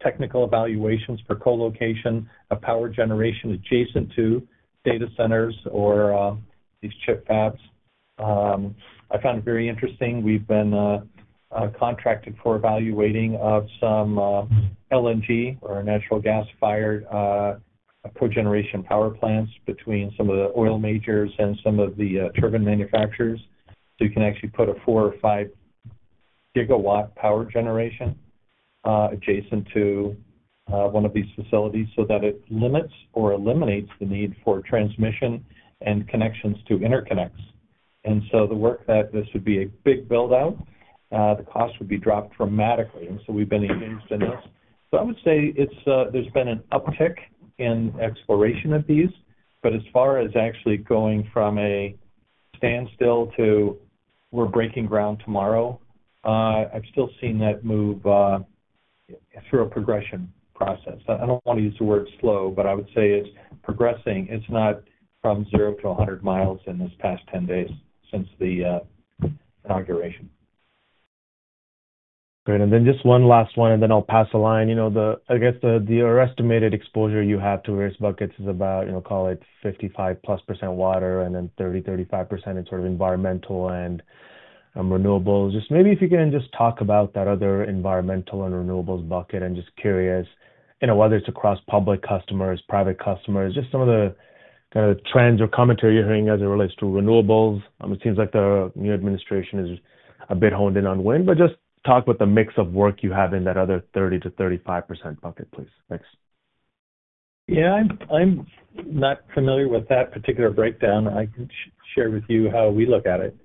technical evaluations for co-location of power generation adjacent to data centers or these chip fabs. I found it very interesting. We've been contracted for evaluating of some LNG or natural gas-fired cogeneration power plants between some of the oil majors and some of the turbine manufacturers. So you can actually put a four- or five-gigawatt power generation adjacent to one of these facilities so that it limits or eliminates the need for transmission and connections to interconnects. The work that this would be a big build-out, the cost would be dropped dramatically. We've been engaged in this. I would say there's been an uptick in exploration of these. As far as actually going from a standstill to we're breaking ground tomorrow, I've still seen that move through a progression process. I don't want to use the word slow, but I would say it's progressing. It's not from 0 to 100 miles in this past 10 days since the inauguration. Great. And then just one last one, and then I'll pass a line. I guess the estimated exposure you have to various buckets is about, call it 55+% water and then 30%-35% in sort of environmental and renewables. Just maybe if you can just talk about that other environmental and renewables bucket. And just curious whether it's across public customers, private customers, just some of the kind of trends or commentary you're hearing as it relates to renewables. It seems like the new administration is a bit honed in on wind. But just talk about the mix of work you have in that other 30%-35% bucket, please. Thanks. Yeah. I'm not familiar with that particular breakdown. I can share with you how we look at it.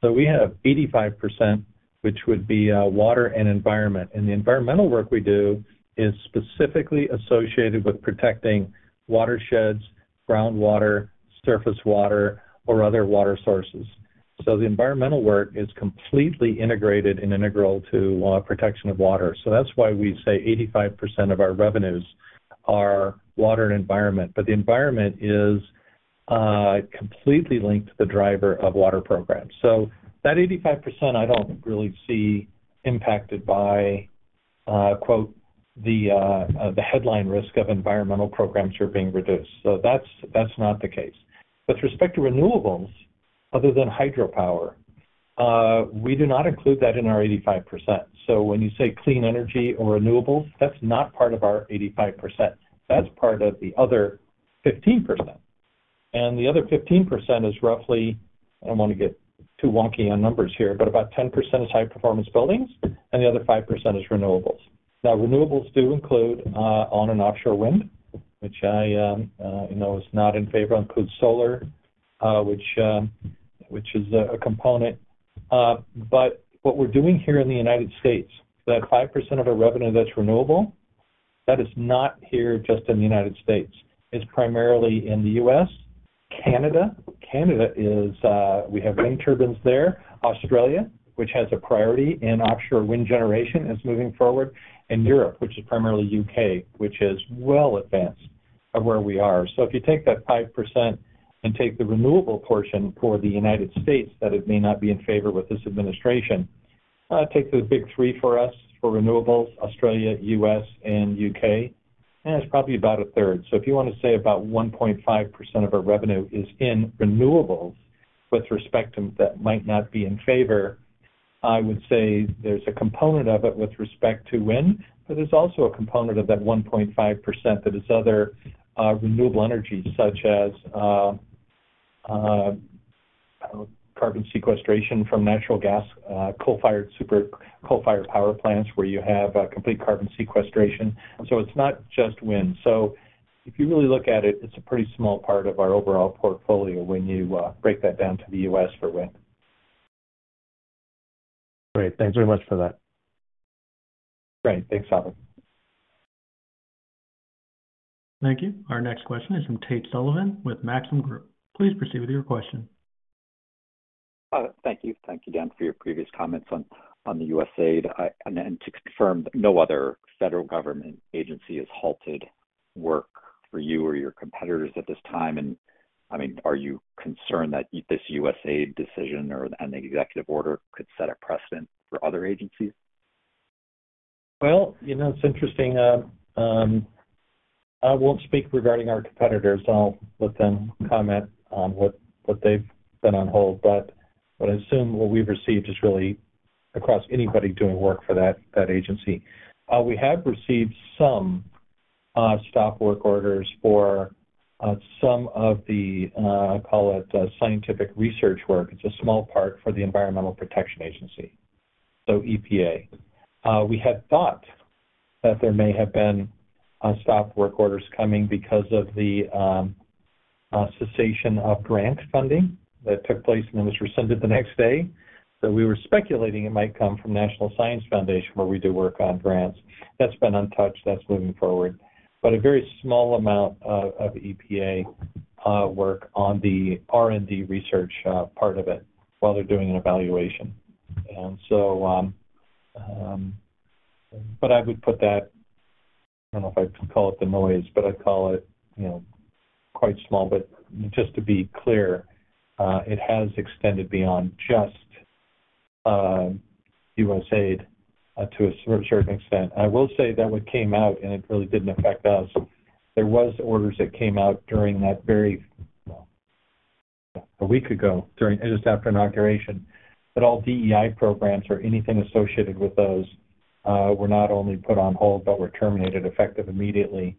So we have 85%, which would be water and environment. The environmental work we do is specifically associated with protecting watersheds, groundwater, surface water, or other water sources. The environmental work is completely integrated and integral to protection of water. That's why we say 85% of our revenues are water and environment. The environment is completely linked to the driver of water programs. That 85%, I don't really see impacted by, quote, the headline risk of environmental programs are being reduced. That's not the case. With respect to renewables, other than hydropower, we do not include that in our 85%. When you say clean energy or renewables, that's not part of our 85%. That's part of the other 15%. The other 15% is roughly, I don't want to get too wonky on numbers here, but about 10% is High Performance Buildings, and the other 5% is renewables. Now, renewables do include on- and offshore wind, which I know is not in favor of solar, which is a component. But what we're doing here in the United States, that 5% of our revenue that's renewable, that is not here just in the United States. It's primarily in the U.S., Canada. Canada is, we have wind turbines there. Australia, which has a priority in offshore wind generation, is moving forward. And Europe, which is primarily U.K., which is well advanced of where we are. So if you take that 5% and take the renewable portion for the United States that it may not be in favor with this administration, take the big three for us for renewables: Australia, U.S., and U.K. And it's probably about a third. So if you want to say about 1.5% of our revenue is in renewables with respect to that might not be in favor, I would say there's a component of it with respect to wind. But there's also a component of that 1.5% that is other renewable energies, such as carbon sequestration from natural gas, coal-fired super coal-fired power plants where you have complete carbon sequestration. So it's not just wind. So if you really look at it, it's a pretty small part of our overall portfolio when you break that down to the U.S. for wind. Great. Thanks very much for that. Great. Thanks, Sabahat. Thank you. Our next question is from Tate Sullivan with Maxim Group. Please proceed with your question. Thank you. Thank you again for your previous comments on the USAID. To confirm, no other federal government agency has halted work for you or your competitors at this time. I mean, are you concerned that this USAID decision and the executive order could set a precedent for other agencies? It's interesting. I won't speak regarding our competitors. I'll let them comment on what they've been on hold. I assume what we've received is really across anybody doing work for that agency. We have received some stop work orders for some of the, call it, scientific research work. It's a small part for the Environmental Protection Agency, so EPA. We had thought that there may have been stop work orders coming because of the cessation of grant funding that took place and then was rescinded the next day. We were speculating it might come from National Science Foundation, where we do work on grants. That's been untouched. That's moving forward. But a very small amount of EPA work on the R&D research part of it while they're doing an evaluation. And so but I would put that - I don't know if I'd call it the noise, but I'd call it quite small. But just to be clear, it has extended beyond just USAID to a certain extent. I will say that what came out, and it really didn't affect us, there were orders that came out during that very - well, a week ago, just after inauguration. But all DEI programs or anything associated with those were not only put on hold but were terminated effective immediately.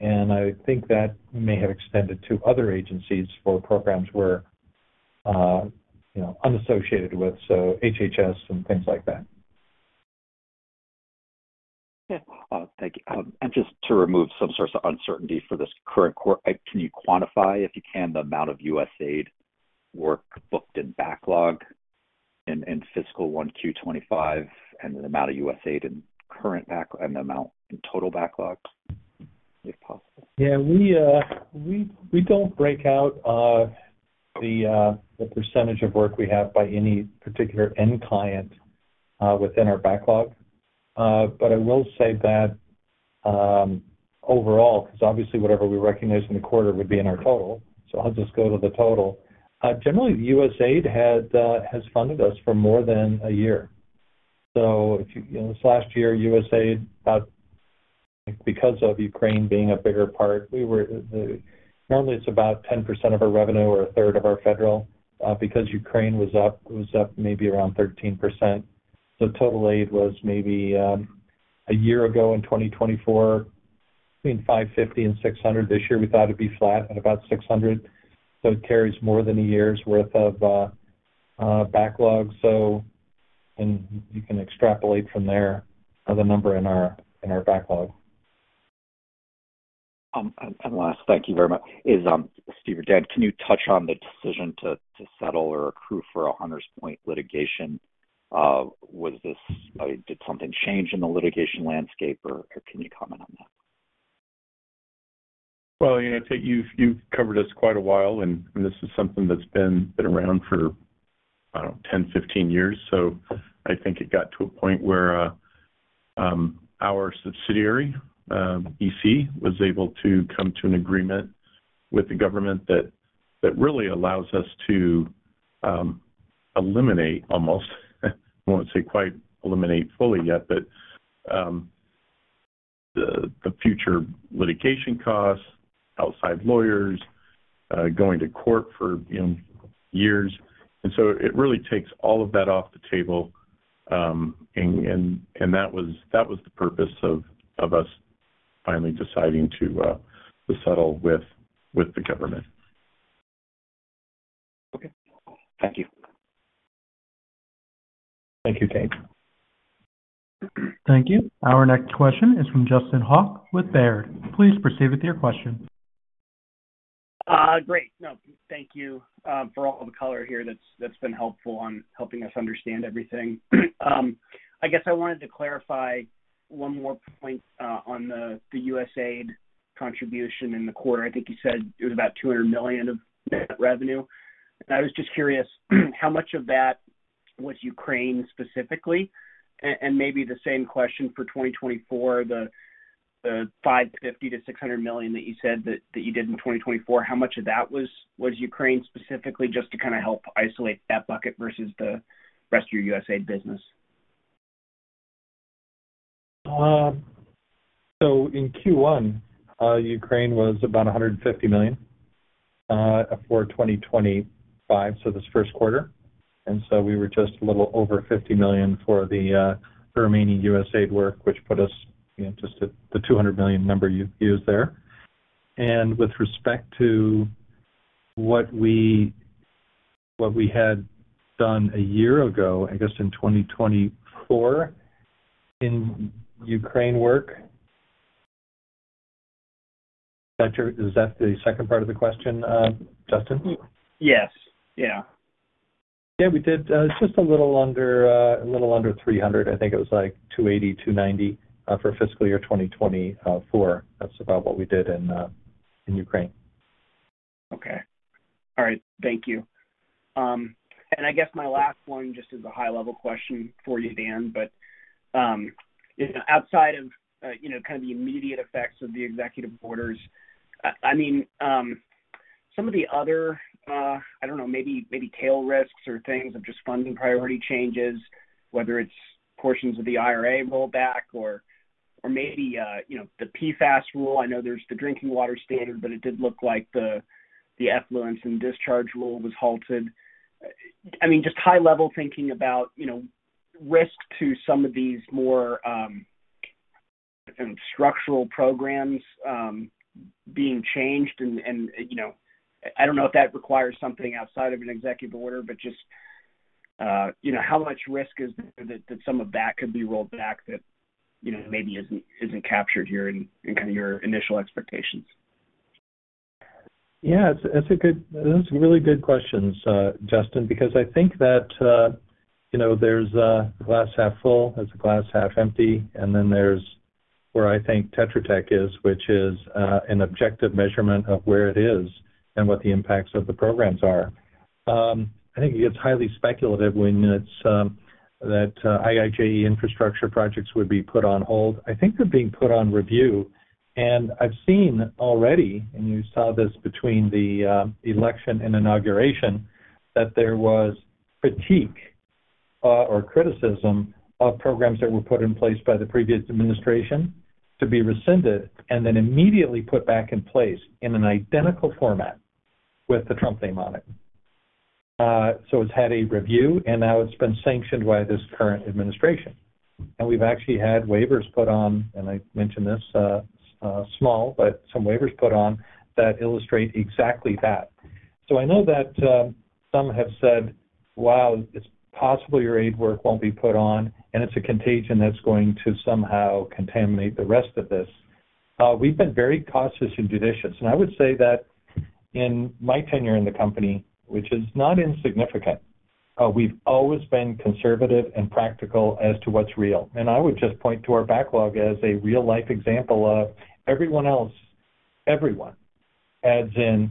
And I think that may have extended to other agencies for programs we're unassociated with, so HHS and things like that. Okay. Thank you. And just to remove some sort of uncertainty for this current quarter, can you quantify, if you can, the amount of USAID work booked in backlog in fiscal 1Q25 and the amount of USAID in current backlog and the amount in total backlog, if possible? Yeah. We don't break out the percentage of work we have by any particular end client within our backlog. But I will say that overall, because obviously whatever we recognize in the quarter would be in our total, so I'll just go to the total. Generally, USAID has funded us for more than a year. So this last year, USAID, because of Ukraine being a bigger part, normally it's about 10% of our revenue or a third of our federal. Because Ukraine was up, it was up maybe around 13%. So total aid was maybe a year ago in 2024, between 550 and 600. This year, we thought it'd be flat at about 600. So it carries more than a year's worth of backlog. So you can extrapolate from there the number in our backlog. And last, thank you very much. Steve Burdick, can you touch on the decision to settle or accrue for a Hunters Point litigation? Did something change in the litigation landscape, or can you comment on that? Well, you've covered us quite a while, and this is something that's been around for, I don't know, 10, 15 years. So I think it got to a point where our subsidiary, EC, was able to come to an agreement with the government that really allows us to eliminate almost, I won't say quite eliminate fully yet, but the future litigation costs, outside lawyers, going to court for years. And so it really takes all of that off the table. And that was the purpose of us finally deciding to settle with the government. Okay. Thank you. Thank you, Tate. Thank you. Our next question is from Justin Hauke with Baird. Please proceed with your question. Great. No, thank you for all the color here. That's been helpful on helping us understand everything. I guess I wanted to clarify one more point on the USAID contribution in the quarter. I think you said it was about $200 million of net revenue. And I was just curious how much of that was Ukraine specifically? And maybe the same question for 2024, the $550 million to $600 million that you said that you did in 2024, how much of that was Ukraine specifically just to kind of help isolate that bucket versus the rest of your USAID business? So in Q1, Ukraine was about $150 million for 2025, so this first quarter. And so we were just a little over $50 million for the remaining USAID work, which put us just at the $200 million number you used there. And with respect to what we had done a year ago, I guess in 2024, in Ukraine work, is that the second part of the question, Justin? Yes. Yeah. Yeah. We did just a little under $300 million. I think it was like $280 million-$290 million for fiscal year 2024. That's about what we did in Ukraine. Okay. All right. Thank you. And I guess my last one just is a high-level question for you, Dan. But outside of kind of the immediate effects of the executive orders, I mean, some of the other, I don't know, maybe tail risks or things of just funding priority changes, whether it's portions of the IRA rollback or maybe the PFAS rule. I know there's the drinking water standard, but it did look like the effluent and discharge rule was halted. I mean, just high-level thinking about risk to some of these more structural programs being changed. And I don't know if that requires something outside of an executive order, but just how much risk is there that some of that could be rolled back that maybe isn't captured here in kind of your initial expectations? Yeah. That's really good questions, Justin, because I think that there's a glass half full, there's a glass half empty, and then there's where I think Tetra Tech is, which is an objective measurement of where it is and what the impacts of the programs are. I think it gets highly speculative when it's that IIJA infrastructure projects would be put on hold. I think they're being put on review. And I've seen already, and you saw this between the election and inauguration, that there was critique or criticism of programs that were put in place by the previous administration to be rescinded and then immediately put back in place in an identical format with the Trump name on it. So it's had a review, and now it's been sanctioned by this current administration. And we've actually had waivers put on, and I mentioned this, small, but some waivers put on that illustrate exactly that. So I know that some have said, "Wow, it's possible your aid work won't be put on, and it's a contagion that's going to somehow contaminate the rest of this." We've been very cautious and judicious. And I would say that in my tenure in the company, which is not insignificant, we've always been conservative and practical as to what's real. I would just point to our backlog as a real-life example of everyone else. Everyone adds in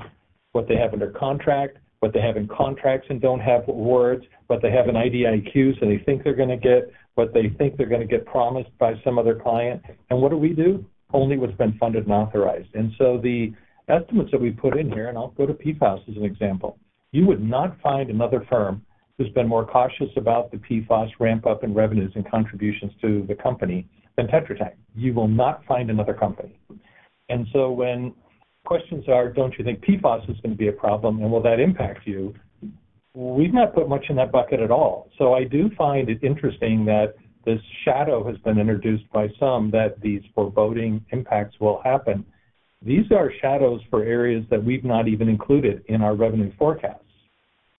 what they have under contract, what they have in contracts and don't have awards, what they have in IDIQs that they think they're going to get, what they think they're going to get promised by some other client. What do we do? Only what's been funded and authorized. The estimates that we put in here, and I'll go to PFAS as an example, you would not find another firm who's been more cautious about the PFAS ramp-up in revenues and contributions to the company than Tetra Tech. You will not find another company. When questions are, "Don't you think PFAS is going to be a problem, and will that impact you?" We've not put much in that bucket at all. So I do find it interesting that this shadow has been introduced by some that these foreboding impacts will happen. These are shadows for areas that we've not even included in our revenue forecasts.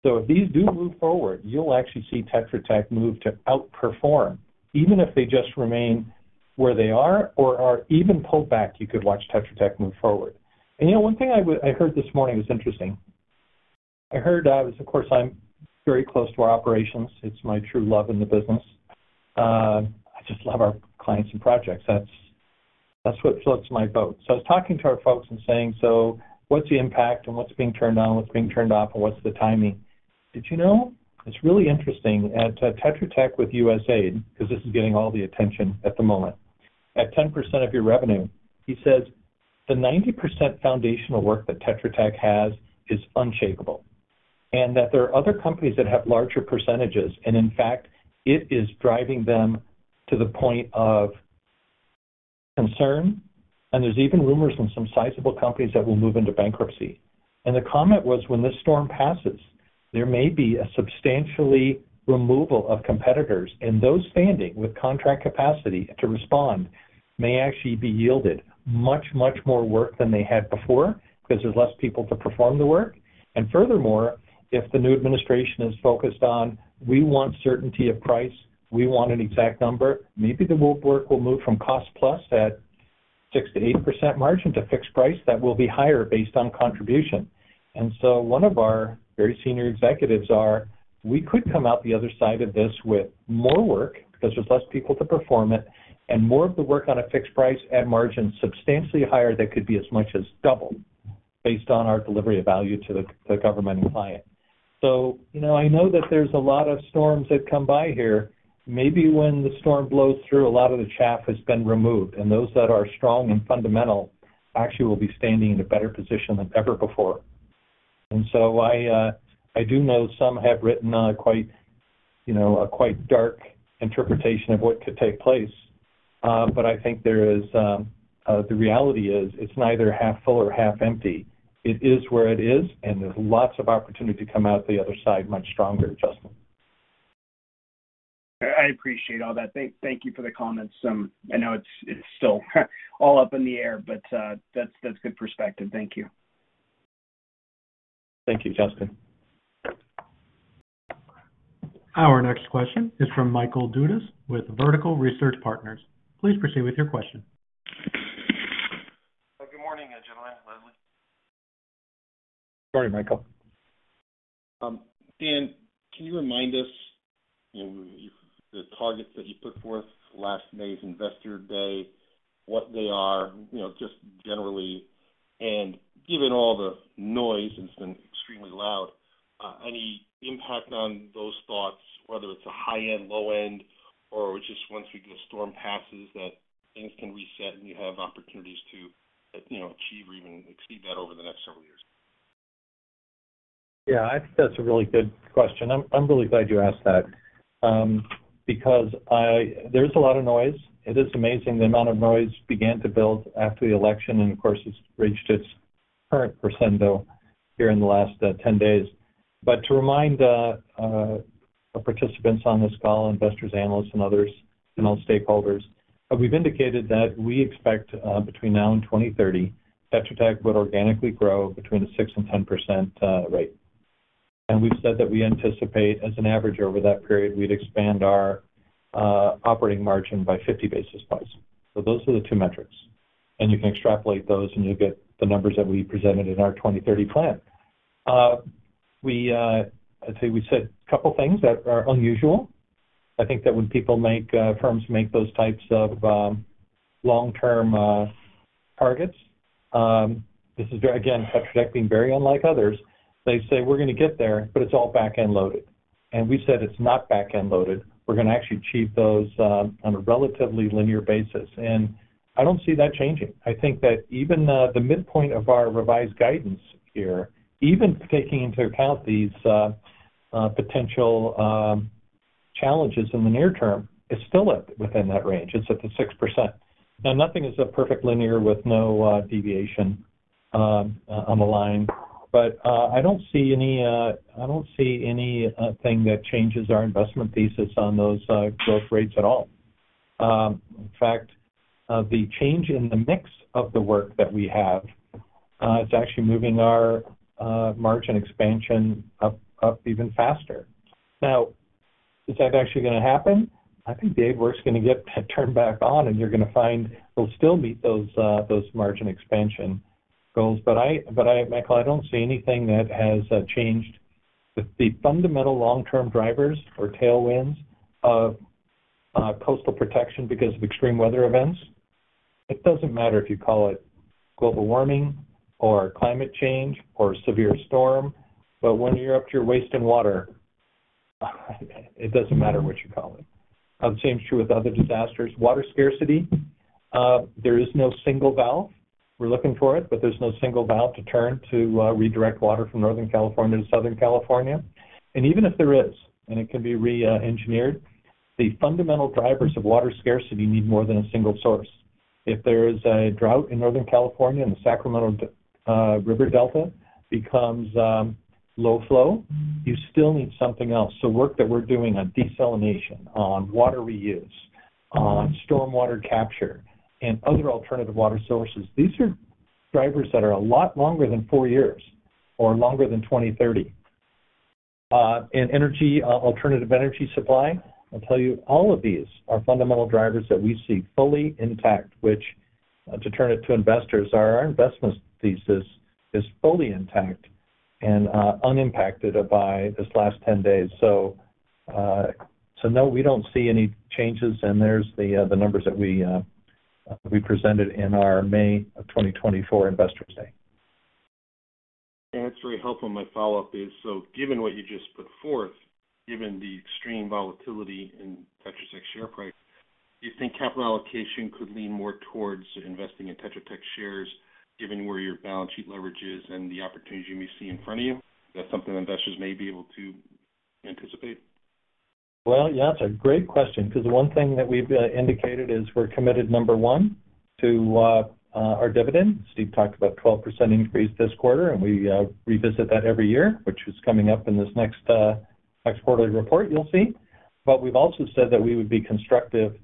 So if these do move forward, you'll actually see Tetra Tech move to outperform, even if they just remain where they are or are even pulled back. You could watch Tetra Tech move forward. And one thing I heard this morning is interesting. Of course, I'm very close to our operations. It's my true love in the business. I just love our clients and projects. That's what floats my boat. So I was talking to our folks and saying, "So what's the impact and what's being turned on, what's being turned off, and what's the timing?" Did you know it's really interesting at Tetra Tech with USAID, because this is getting all the attention at the moment, at 10% of your revenue, he says, "The 90% foundational work that Tetra Tech has is unshakable," and that there are other companies that have larger percentages. And in fact, it is driving them to the point of concern. And there's even rumors in some sizable companies that will move into bankruptcy. And the comment was, "When this storm passes, there may be a substantial removal of competitors." And those standing with contract capacity to respond may actually be yielded much, much more work than they had before because there's less people to perform the work. Furthermore, if the new administration is focused on, "We want certainty of price, we want an exact number," maybe the work will move from cost plus at 6%-8% margin to fixed price that will be higher based on contribution. So one of our very senior executives are, "We could come out the other side of this with more work because there's less people to perform it and more of the work on a fixed price at margin substantially higher that could be as much as double based on our delivery of value to the government and client." I know that there's a lot of storms that come by here. Maybe when the storm blows through, a lot of the chaff has been removed, and those that are strong and fundamental actually will be standing in a better position than ever before. And so I do know some have written quite a dark interpretation of what could take place. But I think the reality is it's neither half full or half empty. It is where it is, and there's lots of opportunity to come out the other side much stronger, Justin. I appreciate all that. Thank you for the comments. I know it's still all up in the air, but that's good perspective. Thank you. Thank you, Justin. Our next question is from Michael Dudas with Vertical Research Partners. Please proceed with your question. Good morning, Dan. Good morning, Michael. Dan, can you remind us the targets that you put forth last May's Investor Day, what they are, just generally? And given all the noise, it's been extremely loud. Any impact on those thoughts, whether it's a high-end, low-end, or just once we get a storm passes, that things can reset and you have opportunities to achieve or even exceed that over the next several years? Yeah. I think that's a really good question. I'm really glad you asked that because there's a lot of noise. It is amazing. The amount of noise began to build after the election, and of course, it's reached its current crescendo here in the last 10 days. But to remind our participants on this call, investors, analysts, and others, and all stakeholders, we've indicated that we expect between now and 2030, Tetra Tech would organically grow between a 6%-10% rate. And we've said that we anticipate, as an average over that period, we'd expand our operating margin by 50 basis points. So those are the two metrics. You can extrapolate those, and you'll get the numbers that we presented in our 2030 plan. I'd say we said a couple of things that are unusual. I think that when firms make those types of long-term targets, this is, again, Tetra Tech being very unlike others, they say, "We're going to get there, but it's all back-end loaded." And we said, "It's not back-end loaded. We're going to actually achieve those on a relatively linear basis." And I don't see that changing. I think that even the midpoint of our revised guidance here, even taking into account these potential challenges in the near term, it's still within that range. It's at the 6%. Now, nothing is a perfect linear with no deviation on the line. But I don't see anything that changes our investment thesis on those growth rates at all. In fact, the change in the mix of the work that we have is actually moving our margin expansion up even faster. Now, is that actually going to happen? I think defense work's going to get turned back on, and you're going to find we'll still meet those margin expansion goals. But Michael, I don't see anything that has changed the fundamental long-term drivers or tailwinds of coastal protection because of extreme weather events. It doesn't matter if you call it global warming or climate change or severe storm, but when you're up to your waist in water, it doesn't matter what you call it. The same is true with other disasters. Water scarcity, there is no single valve. We're looking for it, but there's no single valve to turn to redirect water from Northern California to Southern California. Even if there is, and it can be re-engineered, the fundamental drivers of water scarcity need more than a single source. If there is a drought in Northern California and the Sacramento River Delta becomes low flow, you still need something else. Work that we're doing on desalination, on water reuse, on stormwater capture, and other alternative water sources, these are drivers that are a lot longer than four years or longer than 2030. Alternative energy supply, I'll tell you, all of these are fundamental drivers that we see fully intact, which, to turn it to investors, our investment thesis is fully intact and unimpacted by this last 10 days. No, we don't see any changes in the numbers that we presented in our May 2024 Investor Day. That's very helpful. My follow-up is, so given what you just put forth, given the extreme volatility in Tetra Tech's share price, do you think capital allocation could lean more towards investing in Tetra Tech shares given where your balance sheet leverage is and the opportunities you may see in front of you? Is that something investors may be able to anticipate? Yeah, it's a great question because the one thing that we've indicated is we're committed, number one, to our dividend. Steve talked about a 12% increase this quarter, and we revisit that every year, which is coming up in this next quarterly report you'll see. But we've also said that we would be constructive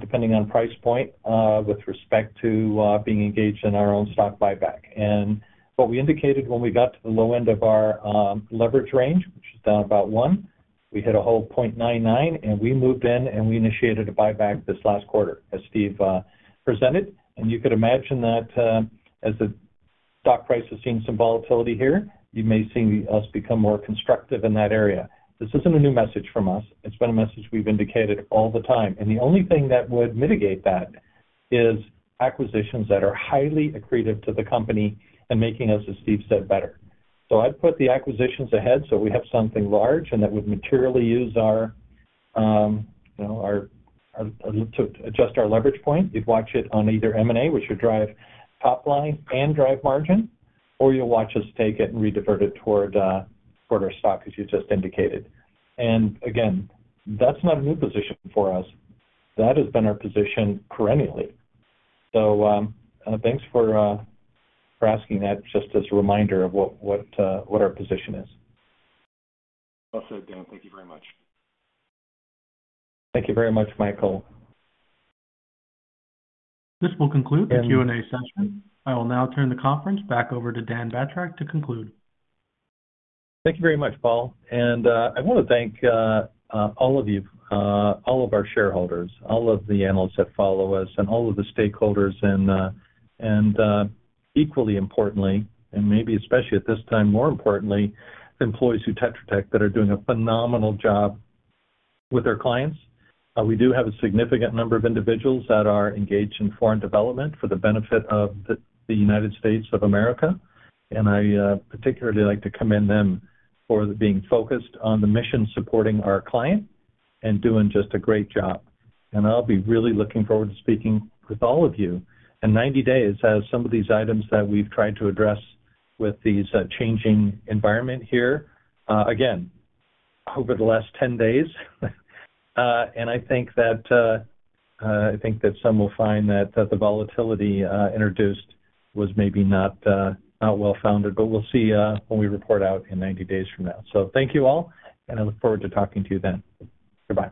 depending on price point with respect to being engaged in our own stock buyback. And what we indicated when we got to the low end of our leverage range, which is down about one, we hit a whole 0.99, and we moved in and we initiated a buyback this last quarter, as Steve presented. And you could imagine that as the stock price has seen some volatility here, you may see us become more constructive in that area. This isn't a new message from us. It's been a message we've indicated all the time. And the only thing that would mitigate that is acquisitions that are highly accretive to the company and making us, as Steve said, better. So I'd put the acquisitions ahead so we have something large and that would materially use our to adjust our leverage point. You'd watch it on either M&A, which would drive top line and drive margin, or you'll watch us take it and redivert it toward our stock, as you just indicated. And again, that's not a new position for us. That has been our position perennially. So thanks for asking that just as a reminder of what our position is. Well said, Dan. Thank you very much. Thank you very much, Michael. This will conclude the Q&A session. I will now turn the conference back over to Dan Batrack to conclude. Thank you very much, Paul. And I want to thank all of you, all of our shareholders, all of the analysts that follow us, and all of the stakeholders. And equally importantly, and maybe especially at this time, more importantly, the employees of Tetra Tech that are doing a phenomenal job with their clients. We do have a significant number of individuals that are engaged in foreign development for the benefit of the United States of America. And I particularly like to commend them for being focused on the mission supporting our client and doing just a great job. And I'll be really looking forward to speaking with all of you. And 90 days has some of these items that we've tried to address with these changing environments here, again, over the last 10 days. And I think that some will find that the volatility introduced was maybe not well-founded, but we'll see when we report out in 90 days from now. So thank you all, and I look forward to talking to you then. Goodbye.